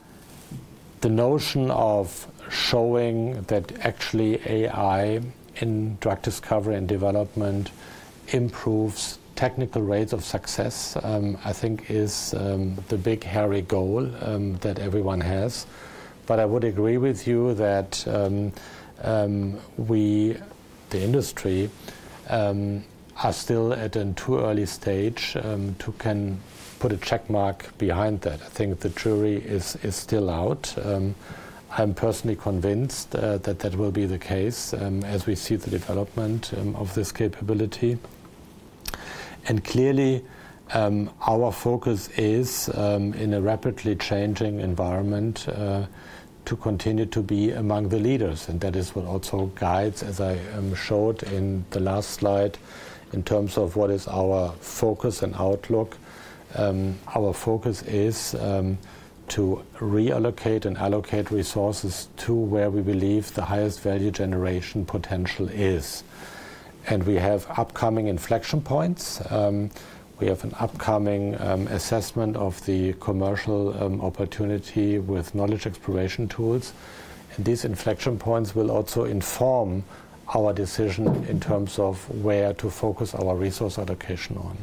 the notion of showing that actually AI in drug discovery and development improves technical rates of success, I think, is the big hairy goal that everyone has. But I would agree with you that we, the industry, are still at a too early stage to can put a checkmark behind that. I think the jury is still out. I'm personally convinced that that will be the case, as we see the development of this capability. Clearly, our focus is, in a rapidly changing environment, to continue to be among the leaders. That is what also guides, as I showed in the last slide, in terms of what is our focus and outlook. Our focus is to reallocate and allocate resources to where we believe the highest value generation potential is. We have upcoming inflection points. We have an upcoming assessment of the commercial opportunity with knowledge exploration tools. These inflection points will also inform our decision in terms of where to focus our resource allocation on.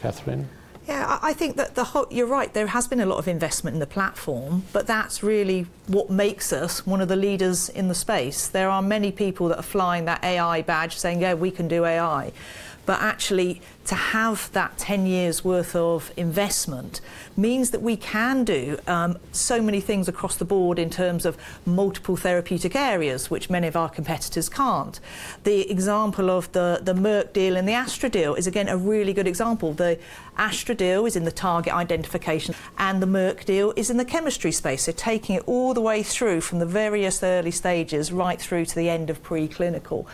Catherine? Yeah, I think that the whole, you're right. There has been a lot of investment in the platform. But that's really what makes us one of the leaders in the space. There are many people that are flying that AI badge, saying, "Yes, we can do AI." But actually, to have that 10 years' worth of investment means that we can do so many things across the board in terms of multiple therapeutic areas, which many of our competitors can't. The example of the Merck deal and the Astra deal is, again, a really good example. The Astra deal is in the target identification. And the Merck deal is in the chemistry space. So taking it all the way through from the various early stages right through to the end of preclinical.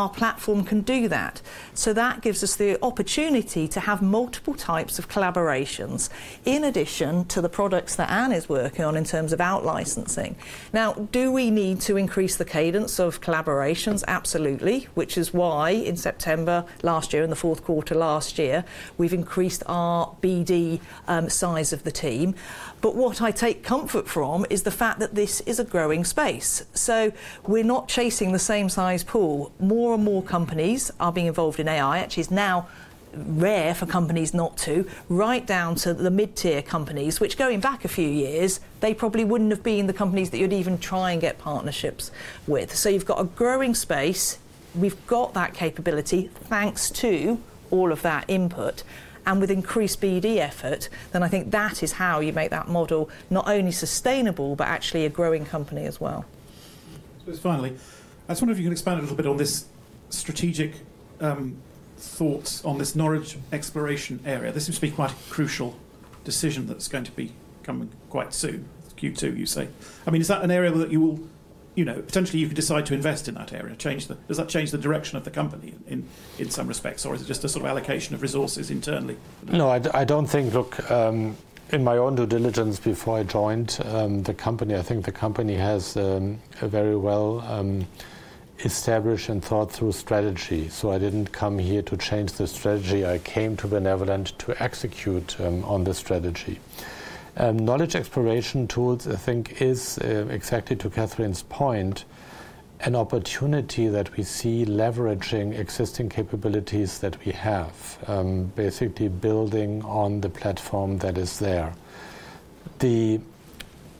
Our platform can do that. So that gives us the opportunity to have multiple types of collaborations, in addition to the products that Anne is working on in terms of outlicensing. Now, do we need to increase the cadence of collaborations? Absolutely, which is why, in September last year, in the fourth quarter last year, we've increased our BD size of the team. But what I take comfort from is the fact that this is a growing space. So we're not chasing the same size pool. More and more companies are being involved in AI. Actually, it's now rare for companies not to, right down to the mid-tier companies, which, going back a few years, they probably wouldn't have been the companies that you'd even try and get partnerships with. So you've got a growing space. We've got that capability, thanks to all of that input. With increased BD effort, then I think that is how you make that model not only sustainable, but actually a growing company as well. So, finally, I was wondering if you could expand a little bit on this strategic thought on this knowledge exploration area. This seems to be quite a crucial decision that's going to be coming quite soon. Q2, you say. I mean, is that an area that you will potentially, you could decide to invest in that area, change? Does that change the direction of the company in some respects? Or is it just a sort of allocation of resources internally? No, I don't think. Look, in my own due diligence before I joined the company, I think the company has a very well-established and thought-through strategy. So I didn't come here to change the strategy. I came to Benevolent to execute on the strategy. Knowledge exploration tools, I think, is exactly, to Catherine's point, an opportunity that we see leveraging existing capabilities that we have, basically building on the platform that is there. The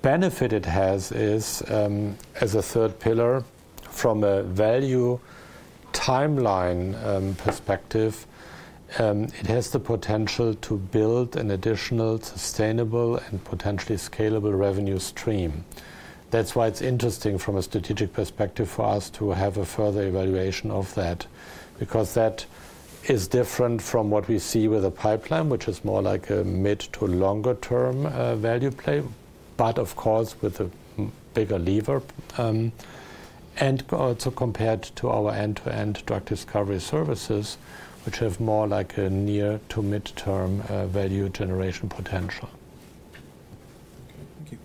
benefit it has is, as a third pillar, from a value timeline perspective, it has the potential to build an additional, sustainable, and potentially scalable revenue stream. That's why it's interesting, from a strategic perspective, for us to have a further evaluation of that, because that is different from what we see with a pipeline, which is more like a mid to longer-term value play, but, of course, with a bigger lever, and also compared to our end-to-end drug discovery services, which have more like a near to mid-term value generation potential. Thank you.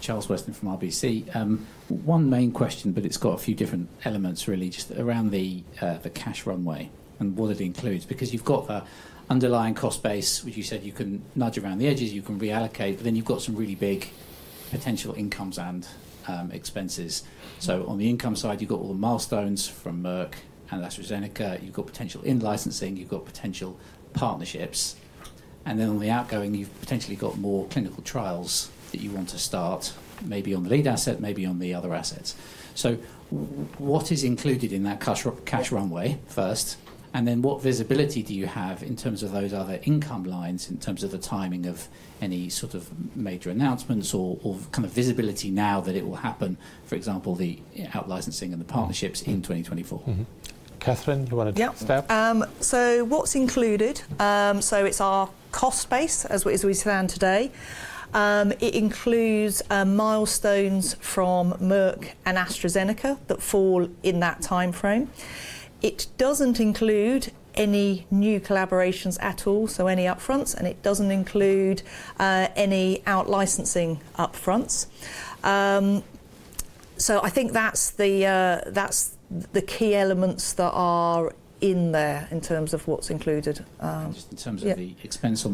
Charles Weston from RBC. One main question, but it's got a few different elements, really, just around the cash runway and what it includes, because you've got the underlying cost base, which you said you can nudge around the edges. You can reallocate. But then you've got some really big potential incomes and expenses. So on the income side, you've got all the milestones from Merck and AstraZeneca. You've got potential in-licensing. You've got potential partnerships. And then on the outgoing, you've potentially got more clinical trials that you want to start, maybe on the lead asset, maybe on the other assets. So what is included in that cash runway first? And then what visibility do you have in terms of those other income lines, in terms of the timing of any sort of major announcements or kind of visibility now that it will happen, for example, the outlicensing and the partnerships in 2024? Catherine, you wanted to step? Yeah. What's included? It's our cost base, as we stand today. It includes milestones from Merck and AstraZeneca that fall in that time frame. It doesn't include any new collaborations at all, so any upfronts. It doesn't include any outlicensing upfronts. I think that's the key elements that are in there, in terms of what's included. Just in terms of the expense of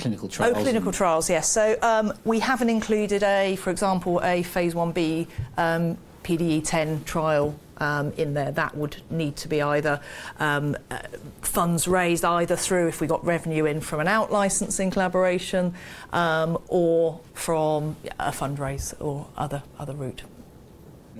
clinical trials? Oh, clinical trials, yes. So we haven't included a, for example, a phase 1b PDE10 trial in there. That would need to be either funds raised either through, if we got revenue in from an outlicensing collaboration, or from a fundraise or other route.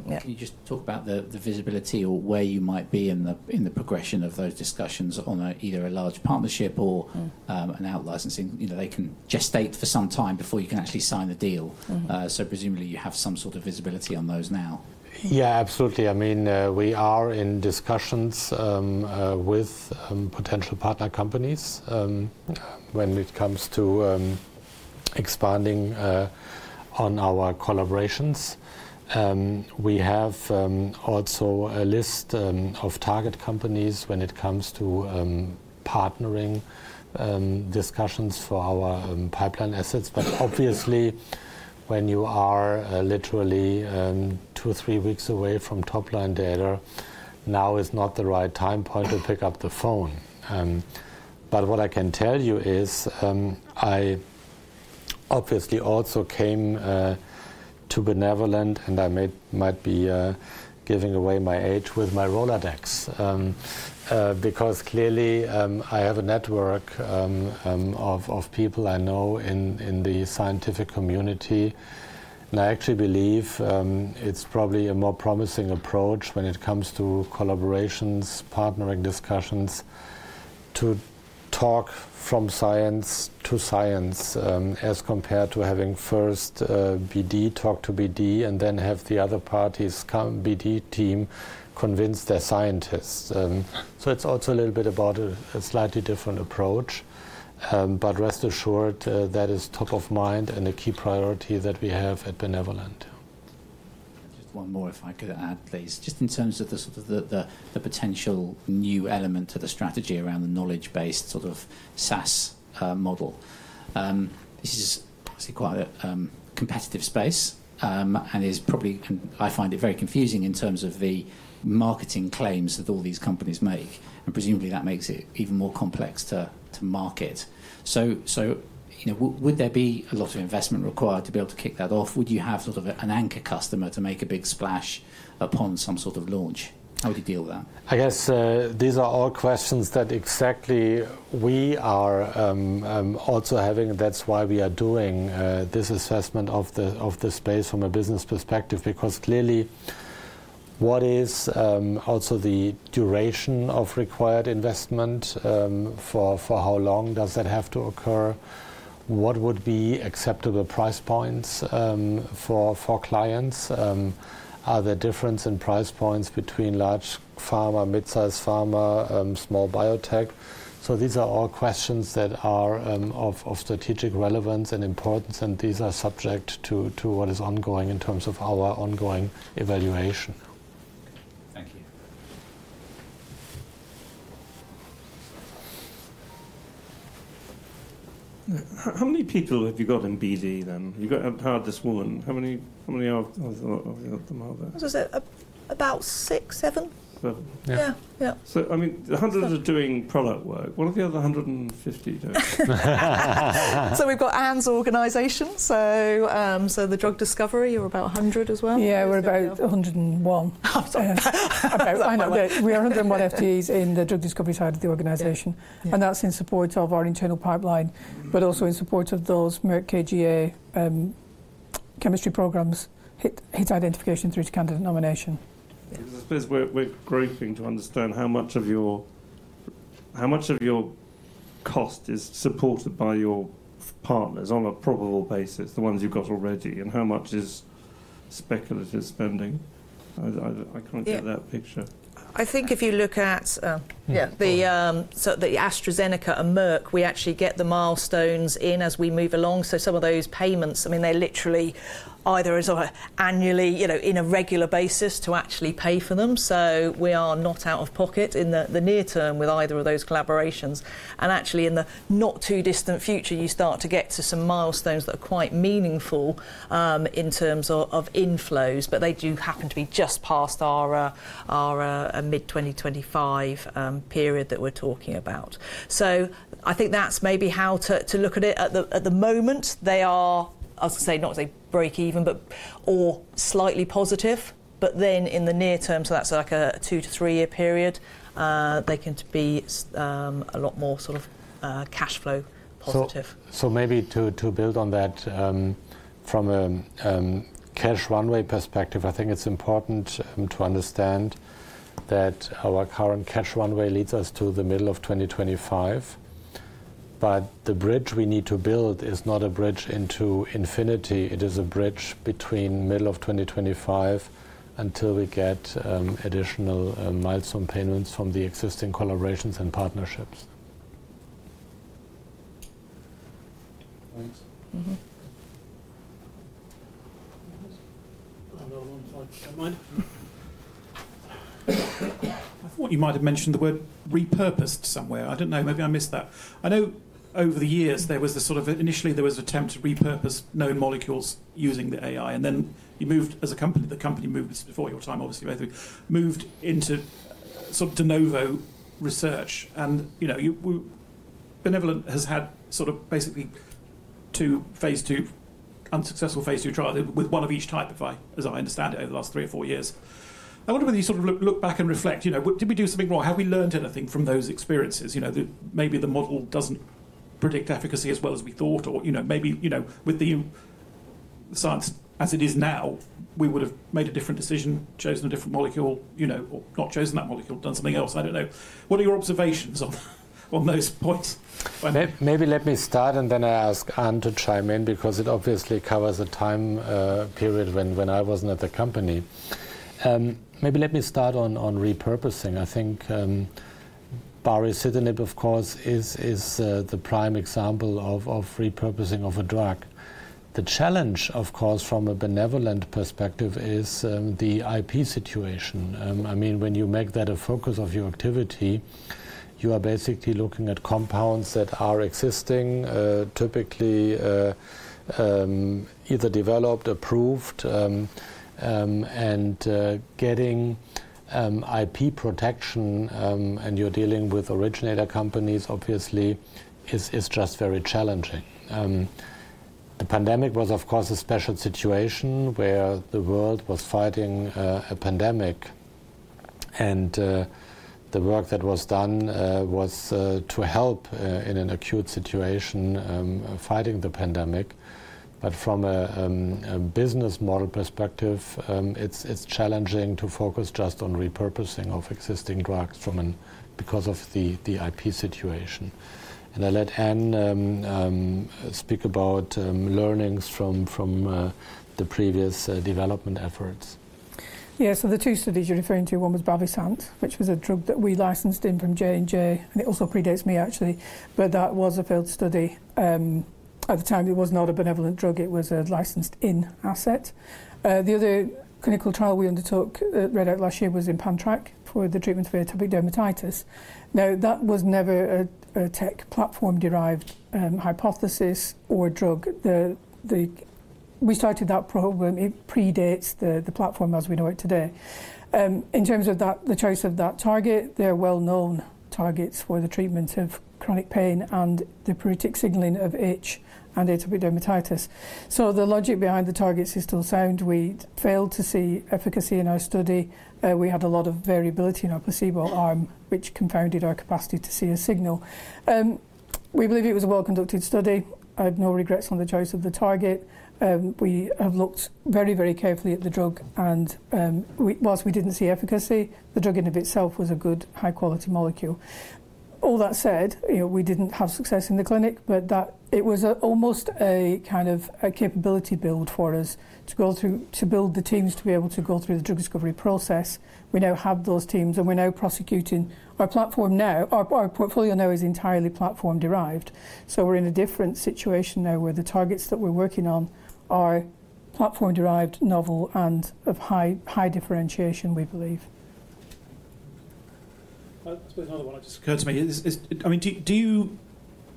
Can you just talk about the visibility or where you might be in the progression of those discussions on either a large partnership or an outlicensing? They can gestate for some time before you can actually sign the deal. So presumably, you have some sort of visibility on those now. Yeah, absolutely. I mean, we are in discussions with potential partner companies when it comes to expanding on our collaborations. We have also a list of target companies when it comes to partnering discussions for our pipeline assets. But obviously, when you are literally 2-3 weeks away from top-line data, now is not the right time point to pick up the phone. But what I can tell you is, I obviously also came to Benevolent. And I might be giving away my age with my Rolodex, because clearly, I have a network of people I know in the scientific community. And I actually believe it's probably a more promising approach when it comes to collaborations, partnering discussions, to talk from science to science, as compared to having first BD talk to BD and then have the other parties' BD team convince their scientists. It's also a little bit about a slightly different approach. Rest assured, that is top of mind and a key priority that we have at Benevolent. Just one more, if I could add, please, just in terms of the potential new element to the strategy around the knowledge-based sort of SaaS model. This is, obviously, quite a competitive space and is probably, and I find it very confusing, in terms of the marketing claims that all these companies make. And presumably, that makes it even more complex to market. So would there be a lot of investment required to be able to kick that off? Would you have sort of an anchor customer to make a big splash upon some sort of launch? How would you deal with that? I guess these are all questions that exactly we are also having. That's why we are doing this assessment of the space from a business perspective, because clearly, what is also the duration of required investment? For how long does that have to occur? What would be acceptable price points for clients? Are there differences in price points between large pharma, mid-size pharma, small biotech? These are all questions that are of strategic relevance and importance. These are subject to what is ongoing in terms of our ongoing evaluation. Thank you. How many people have you got in BD, then? You've hired this woman. How many are you thinking of? I was going to say about six, seven? Seven? Yeah. Yeah, yeah. I mean, 100 are doing product work. What have the other 150 done? So we've got Anne's organization. So the drug discovery, you're about 100 as well? Yeah, we're about 101. I know. We are 101 FTEs in the drug discovery side of the organization. That's in support of our internal pipeline, but also in support of those Merck KGaA chemistry programs hit identification through to candidate nomination. I suppose we're grappling to understand how much of your cost is supported by your partners on a probable basis, the ones you've got already, and how much is speculative spending? I can't get that picture. I think if you look at the AstraZeneca and Merck, we actually get the milestones in as we move along. So some of those payments, I mean, they're literally either annually in a regular basis to actually pay for them. So we are not out of pocket in the near term with either of those collaborations. And actually, in the not too distant future, you start to get to some milestones that are quite meaningful in terms of inflows. But they do happen to be just past our mid-2025 period that we're talking about. So I think that's maybe how to look at it. At the moment, they are, I was going to say, not to say break even, but all slightly positive. But then in the near term, so that's like a 2-3-year period, they can be a lot more sort of cash flow positive. Maybe to build on that, from a cash runway perspective, I think it's important to understand that our current cash runway leads us to the middle of 2025. But the bridge we need to build is not a bridge into infinity. It is a bridge between middle of 2025 until we get additional milestone payments from the existing collaborations and partnerships. Thanks. Thanks. Another one if I don't mind. I thought you might have mentioned the word repurposed somewhere. I don't know. Maybe I missed that. I know over the years, there was the sort of initially, there was an attempt to repurpose known molecules using the AI. And then you moved as a company. The company moved before your time, obviously, moved into sort of de novo research. And Benevolent has had sort of basically two Phase 2, unsuccessful Phase 2 trials with one of each type, as I understand it, over the last three or four years. I wonder whether you sort of look back and reflect, did we do something wrong? Have we learned anything from those experiences? Maybe the model doesn't predict efficacy as well as we thought. Or maybe with the science as it is now, we would have made a different decision, chosen a different molecule, or not chosen that molecule, done something else. I don't know. What are your observations on those points? Maybe let me start, and then I ask Anne to chime in, because it obviously covers a time period when I wasn't at the company. Maybe let me start on repurposing. I think baricitinib, of course, is the prime example of repurposing of a drug. The challenge, of course, from a Benevolent perspective, is the IP situation. I mean, when you make that a focus of your activity, you are basically looking at compounds that are existing, typically either developed, approved, and getting IP protection. And you're dealing with originator companies, obviously, is just very challenging. The pandemic was, of course, a special situation where the world was fighting a pandemic. And the work that was done was to help in an acute situation fighting the pandemic. But from a business model perspective, it's challenging to focus just on repurposing of existing drugs because of the IP situation. I'll let Anne speak about learnings from the previous development efforts. Yeah, so the two studies you're referring to, one was BEN-2293, which was a drug that we licensed in from J&J. It also predates me, actually. But that was a failed study. At the time, it was not a Benevolent drug. It was a licensed-in asset. The other clinical trial we undertook that read out last year was in pan-Trk for the treatment of atopic dermatitis. Now, that was never a tech platform-derived hypothesis or drug. We started that program. It predates the platform as we know it today. In terms of the choice of that target, there are well-known targets for the treatment of chronic pain and the pruritic signaling of itch and atopic dermatitis. So the logic behind the targets is still sound. We failed to see efficacy in our study. We had a lot of variability in our placebo, which confounded our capacity to see a signal. We believe it was a well-conducted study. I have no regrets on the choice of the target. We have looked very, very carefully at the drug. And whilst we didn't see efficacy, the drug in and of itself was a good, high-quality molecule. All that said, we didn't have success in the clinic. But it was almost a kind of capability build for us to build the teams to be able to go through the drug discovery process. We now have those teams. And we're now prosecuting our platform now. Our portfolio now is entirely platform-derived. So we're in a different situation now where the targets that we're working on are platform-derived, novel, and of high differentiation, we believe. I suppose another one that just occurred to me is, I mean,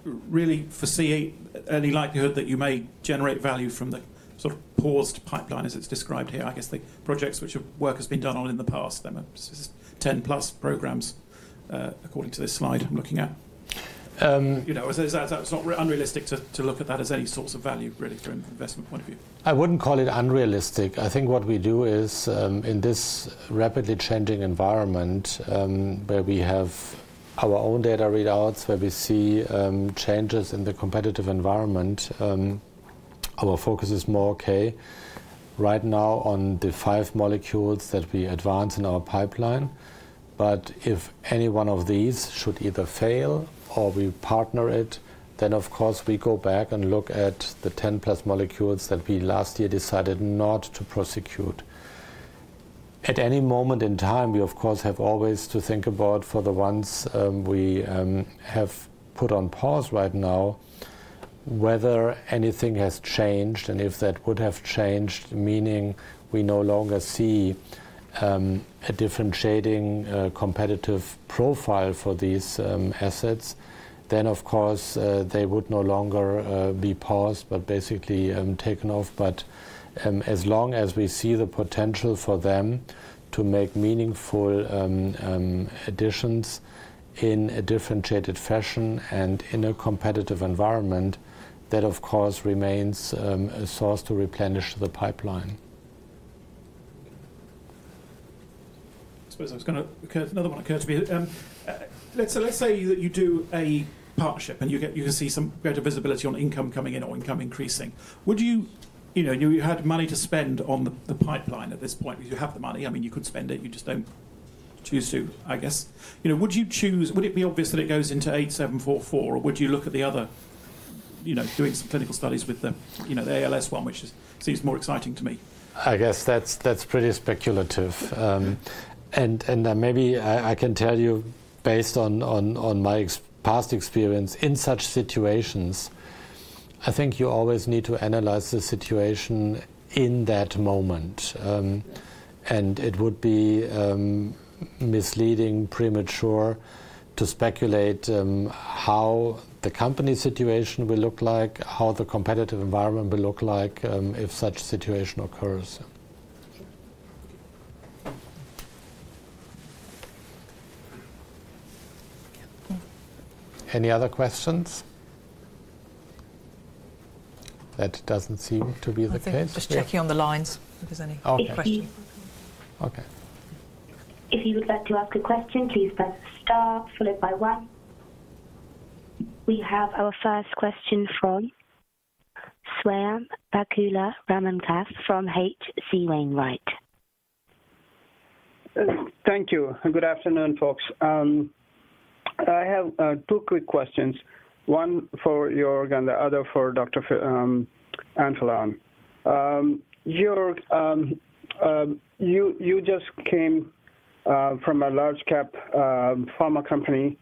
do you really foresee any likelihood that you may generate value from the sort of paused pipeline, as it's described here? I guess the projects which work has been done on in the past, they're 10+ programs, according to this slide I'm looking at. Is that unrealistic to look at that as any sorts of value, really, from an investment point of view? I wouldn't call it unrealistic. I think what we do is, in this rapidly changing environment where we have our own data readouts, where we see changes in the competitive environment, our focus is more OK right now on the five molecules that we advance in our pipeline. But if any one of these should either fail or we partner it, then, of course, we go back and look at the 10-plus molecules that we last year decided not to prosecute. At any moment in time, we, of course, have always to think about, for the ones we have put on pause right now, whether anything has changed. And if that would have changed, meaning we no longer see a differentiating competitive profile for these assets, then, of course, they would no longer be paused, but basically taken off. But as long as we see the potential for them to make meaningful additions in a differentiated fashion and in a competitive environment, that, of course, remains a source to replenish the pipeline. I suppose I was going to another one occurred to me. Let's say that you do a partnership. And you can see some greater visibility on income coming in or income increasing. Would you you had money to spend on the pipeline at this point? You have the money. I mean, you could spend it. You just don't choose to, I guess. Would you choose would it be obvious that it goes into 8744? Or would you look at the other doing some clinical studies with the ALS one, which seems more exciting to me? I guess that's pretty speculative. Maybe I can tell you, based on my past experience, in such situations, I think you always need to analyze the situation in that moment. It would be misleading, premature to speculate how the company situation will look like, how the competitive environment will look like if such a situation occurs. Any other questions? That doesn't seem to be the case. I think just checking on the lines if there's any question. OK. If you would like to ask a question, please press star followed by 1. We have our first question from Swayampakula Ramakanth from H.C. Wainwright. Thank you. Good afternoon, folks. I have two quick questions, one for Jörg, and the other for Dr. Anne Phelan. You just came from a large-cap pharma company,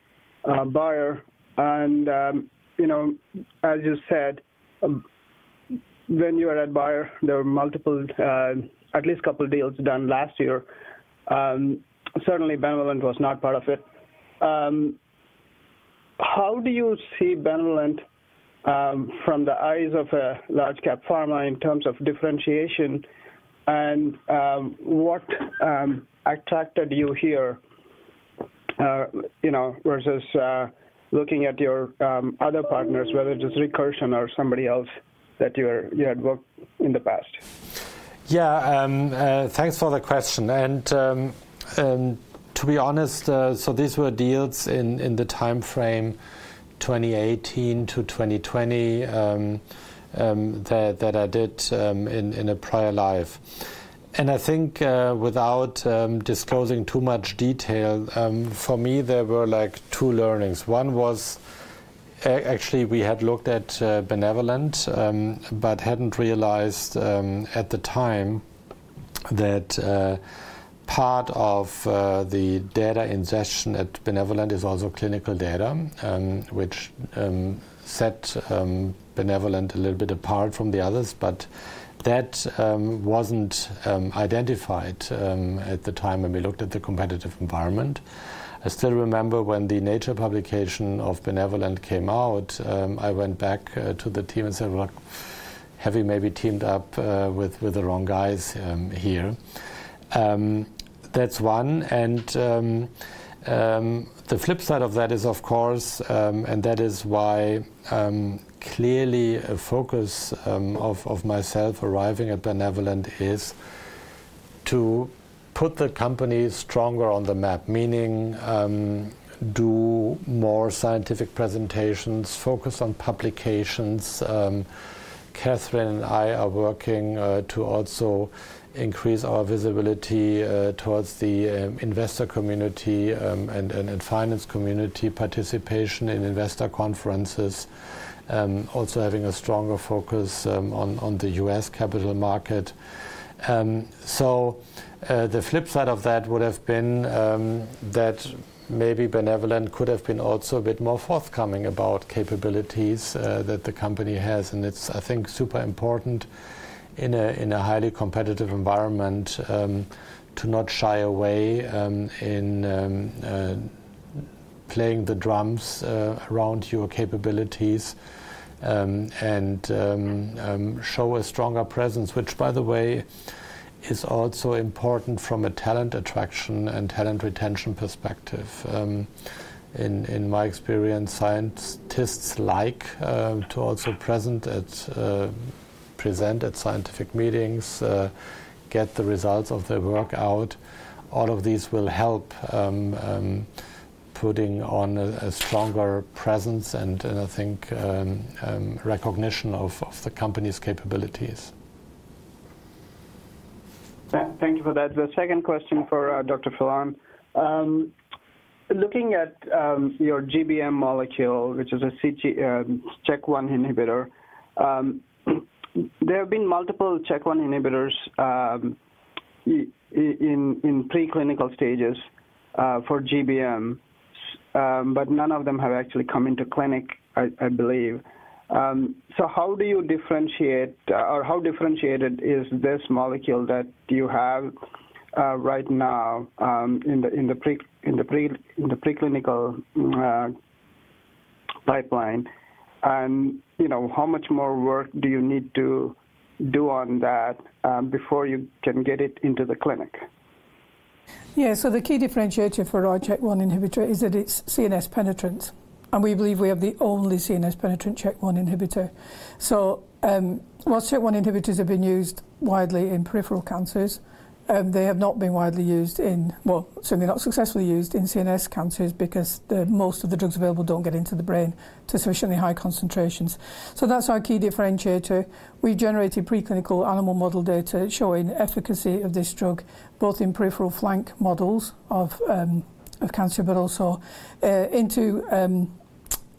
Bayer. And as you said, when you were at Bayer, there were multiple, at least a couple of deals done last year. Certainly, Benevolent was not part of it. How do you see Benevolent from the eyes of a large-cap pharma in terms of differentiation? And what attracted you here versus looking at your other partners, whether it is Recursion or somebody else that you had worked with in the past? Yeah, thanks for the question. To be honest, so these were deals in the time frame 2018 to 2020 that I did in a prior life. And I think, without disclosing too much detail, for me, there were like two learnings. One was, actually, we had looked at Benevolent but hadn't realized at the time that part of the data ingestion at Benevolent is also clinical data, which set Benevolent a little bit apart from the others. But that wasn't identified at the time when we looked at the competitive environment. I still remember when the Nature publication of Benevolent came out, I went back to the team and said, have we maybe teamed up with the wrong guys here? That's one. And the flip side of that is, of course, and that is why clearly a focus of myself arriving at Benevolent is to put the company stronger on the map, meaning do more scientific presentations, focus on publications. Catherine and I are working to also increase our visibility towards the investor community and finance community, participation in investor conferences, also having a stronger focus on the U.S. capital market. So the flip side of that would have been that maybe Benevolent could have been also a bit more forthcoming about capabilities that the company has. And it's, I think, super important in a highly competitive environment to not shy away in playing the drums around your capabilities and show a stronger presence, which, by the way, is also important from a talent attraction and talent retention perspective. In my experience, scientists like to also present at scientific meetings, get the results of their work out. All of these will help putting on a stronger presence and, I think, recognition of the company's capabilities. Thank you for that. The second question for Dr. Phelan. Looking at your GBM molecule, which is a CHK1 inhibitor, there have been multiple CHK1 inhibitors in preclinical stages for GBM. But none of them have actually come into clinic, I believe. So how do you differentiate or how differentiated is this molecule that you have right now in the preclinical pipeline? And how much more work do you need to do on that before you can get it into the clinic? Yeah, so the key differentiator for our CHK1 inhibitor is that it's CNS-penetrant. And we believe we have the only CNS-penetrant CHK1 inhibitor. So while CHK1 inhibitors have been used widely in peripheral cancers, they have not been widely used in, well, certainly not successfully used in CNS cancers, because most of the drugs available don't get into the brain to sufficiently high concentrations. So that's our key differentiator. We've generated preclinical animal model data showing efficacy of this drug both in peripheral flank models of cancer but also into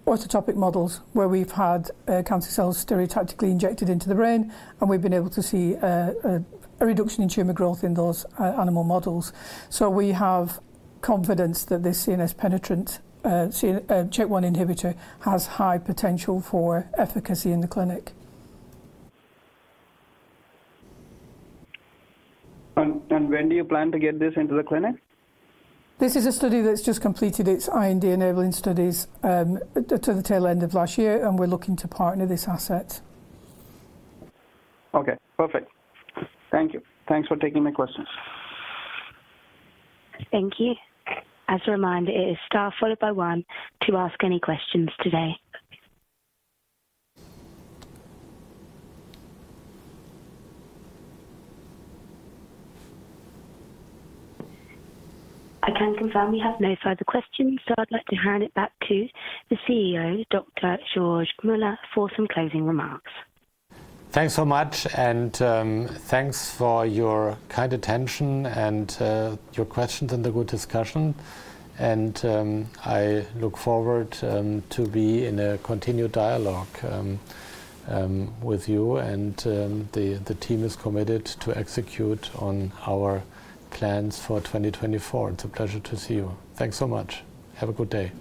orthotopic models, where we've had cancer cells stereotactically injected into the brain. And we've been able to see a reduction in tumor growth in those animal models. So we have confidence that this CNS-penetrant CHK1 inhibitor has high potential for efficacy in the clinic. When do you plan to get this into the clinic? This is a study that's just completed its IND-enabling studies to the tail end of last year. We're looking to partner this asset. OK, perfect. Thank you. Thanks for taking my questions. Thank you. As a reminder, it is STAR followed by 1 to ask any questions today. I can confirm we have no further questions. I'd like to hand it back to the CEO, Dr. Joerg Moeller, for some closing remarks. Thanks so much. Thanks for your kind attention and your questions and the good discussion. I look forward to being in a continued dialogue with you. The team is committed to execute on our plans for 2024. It's a pleasure to see you. Thanks so much. Have a good day.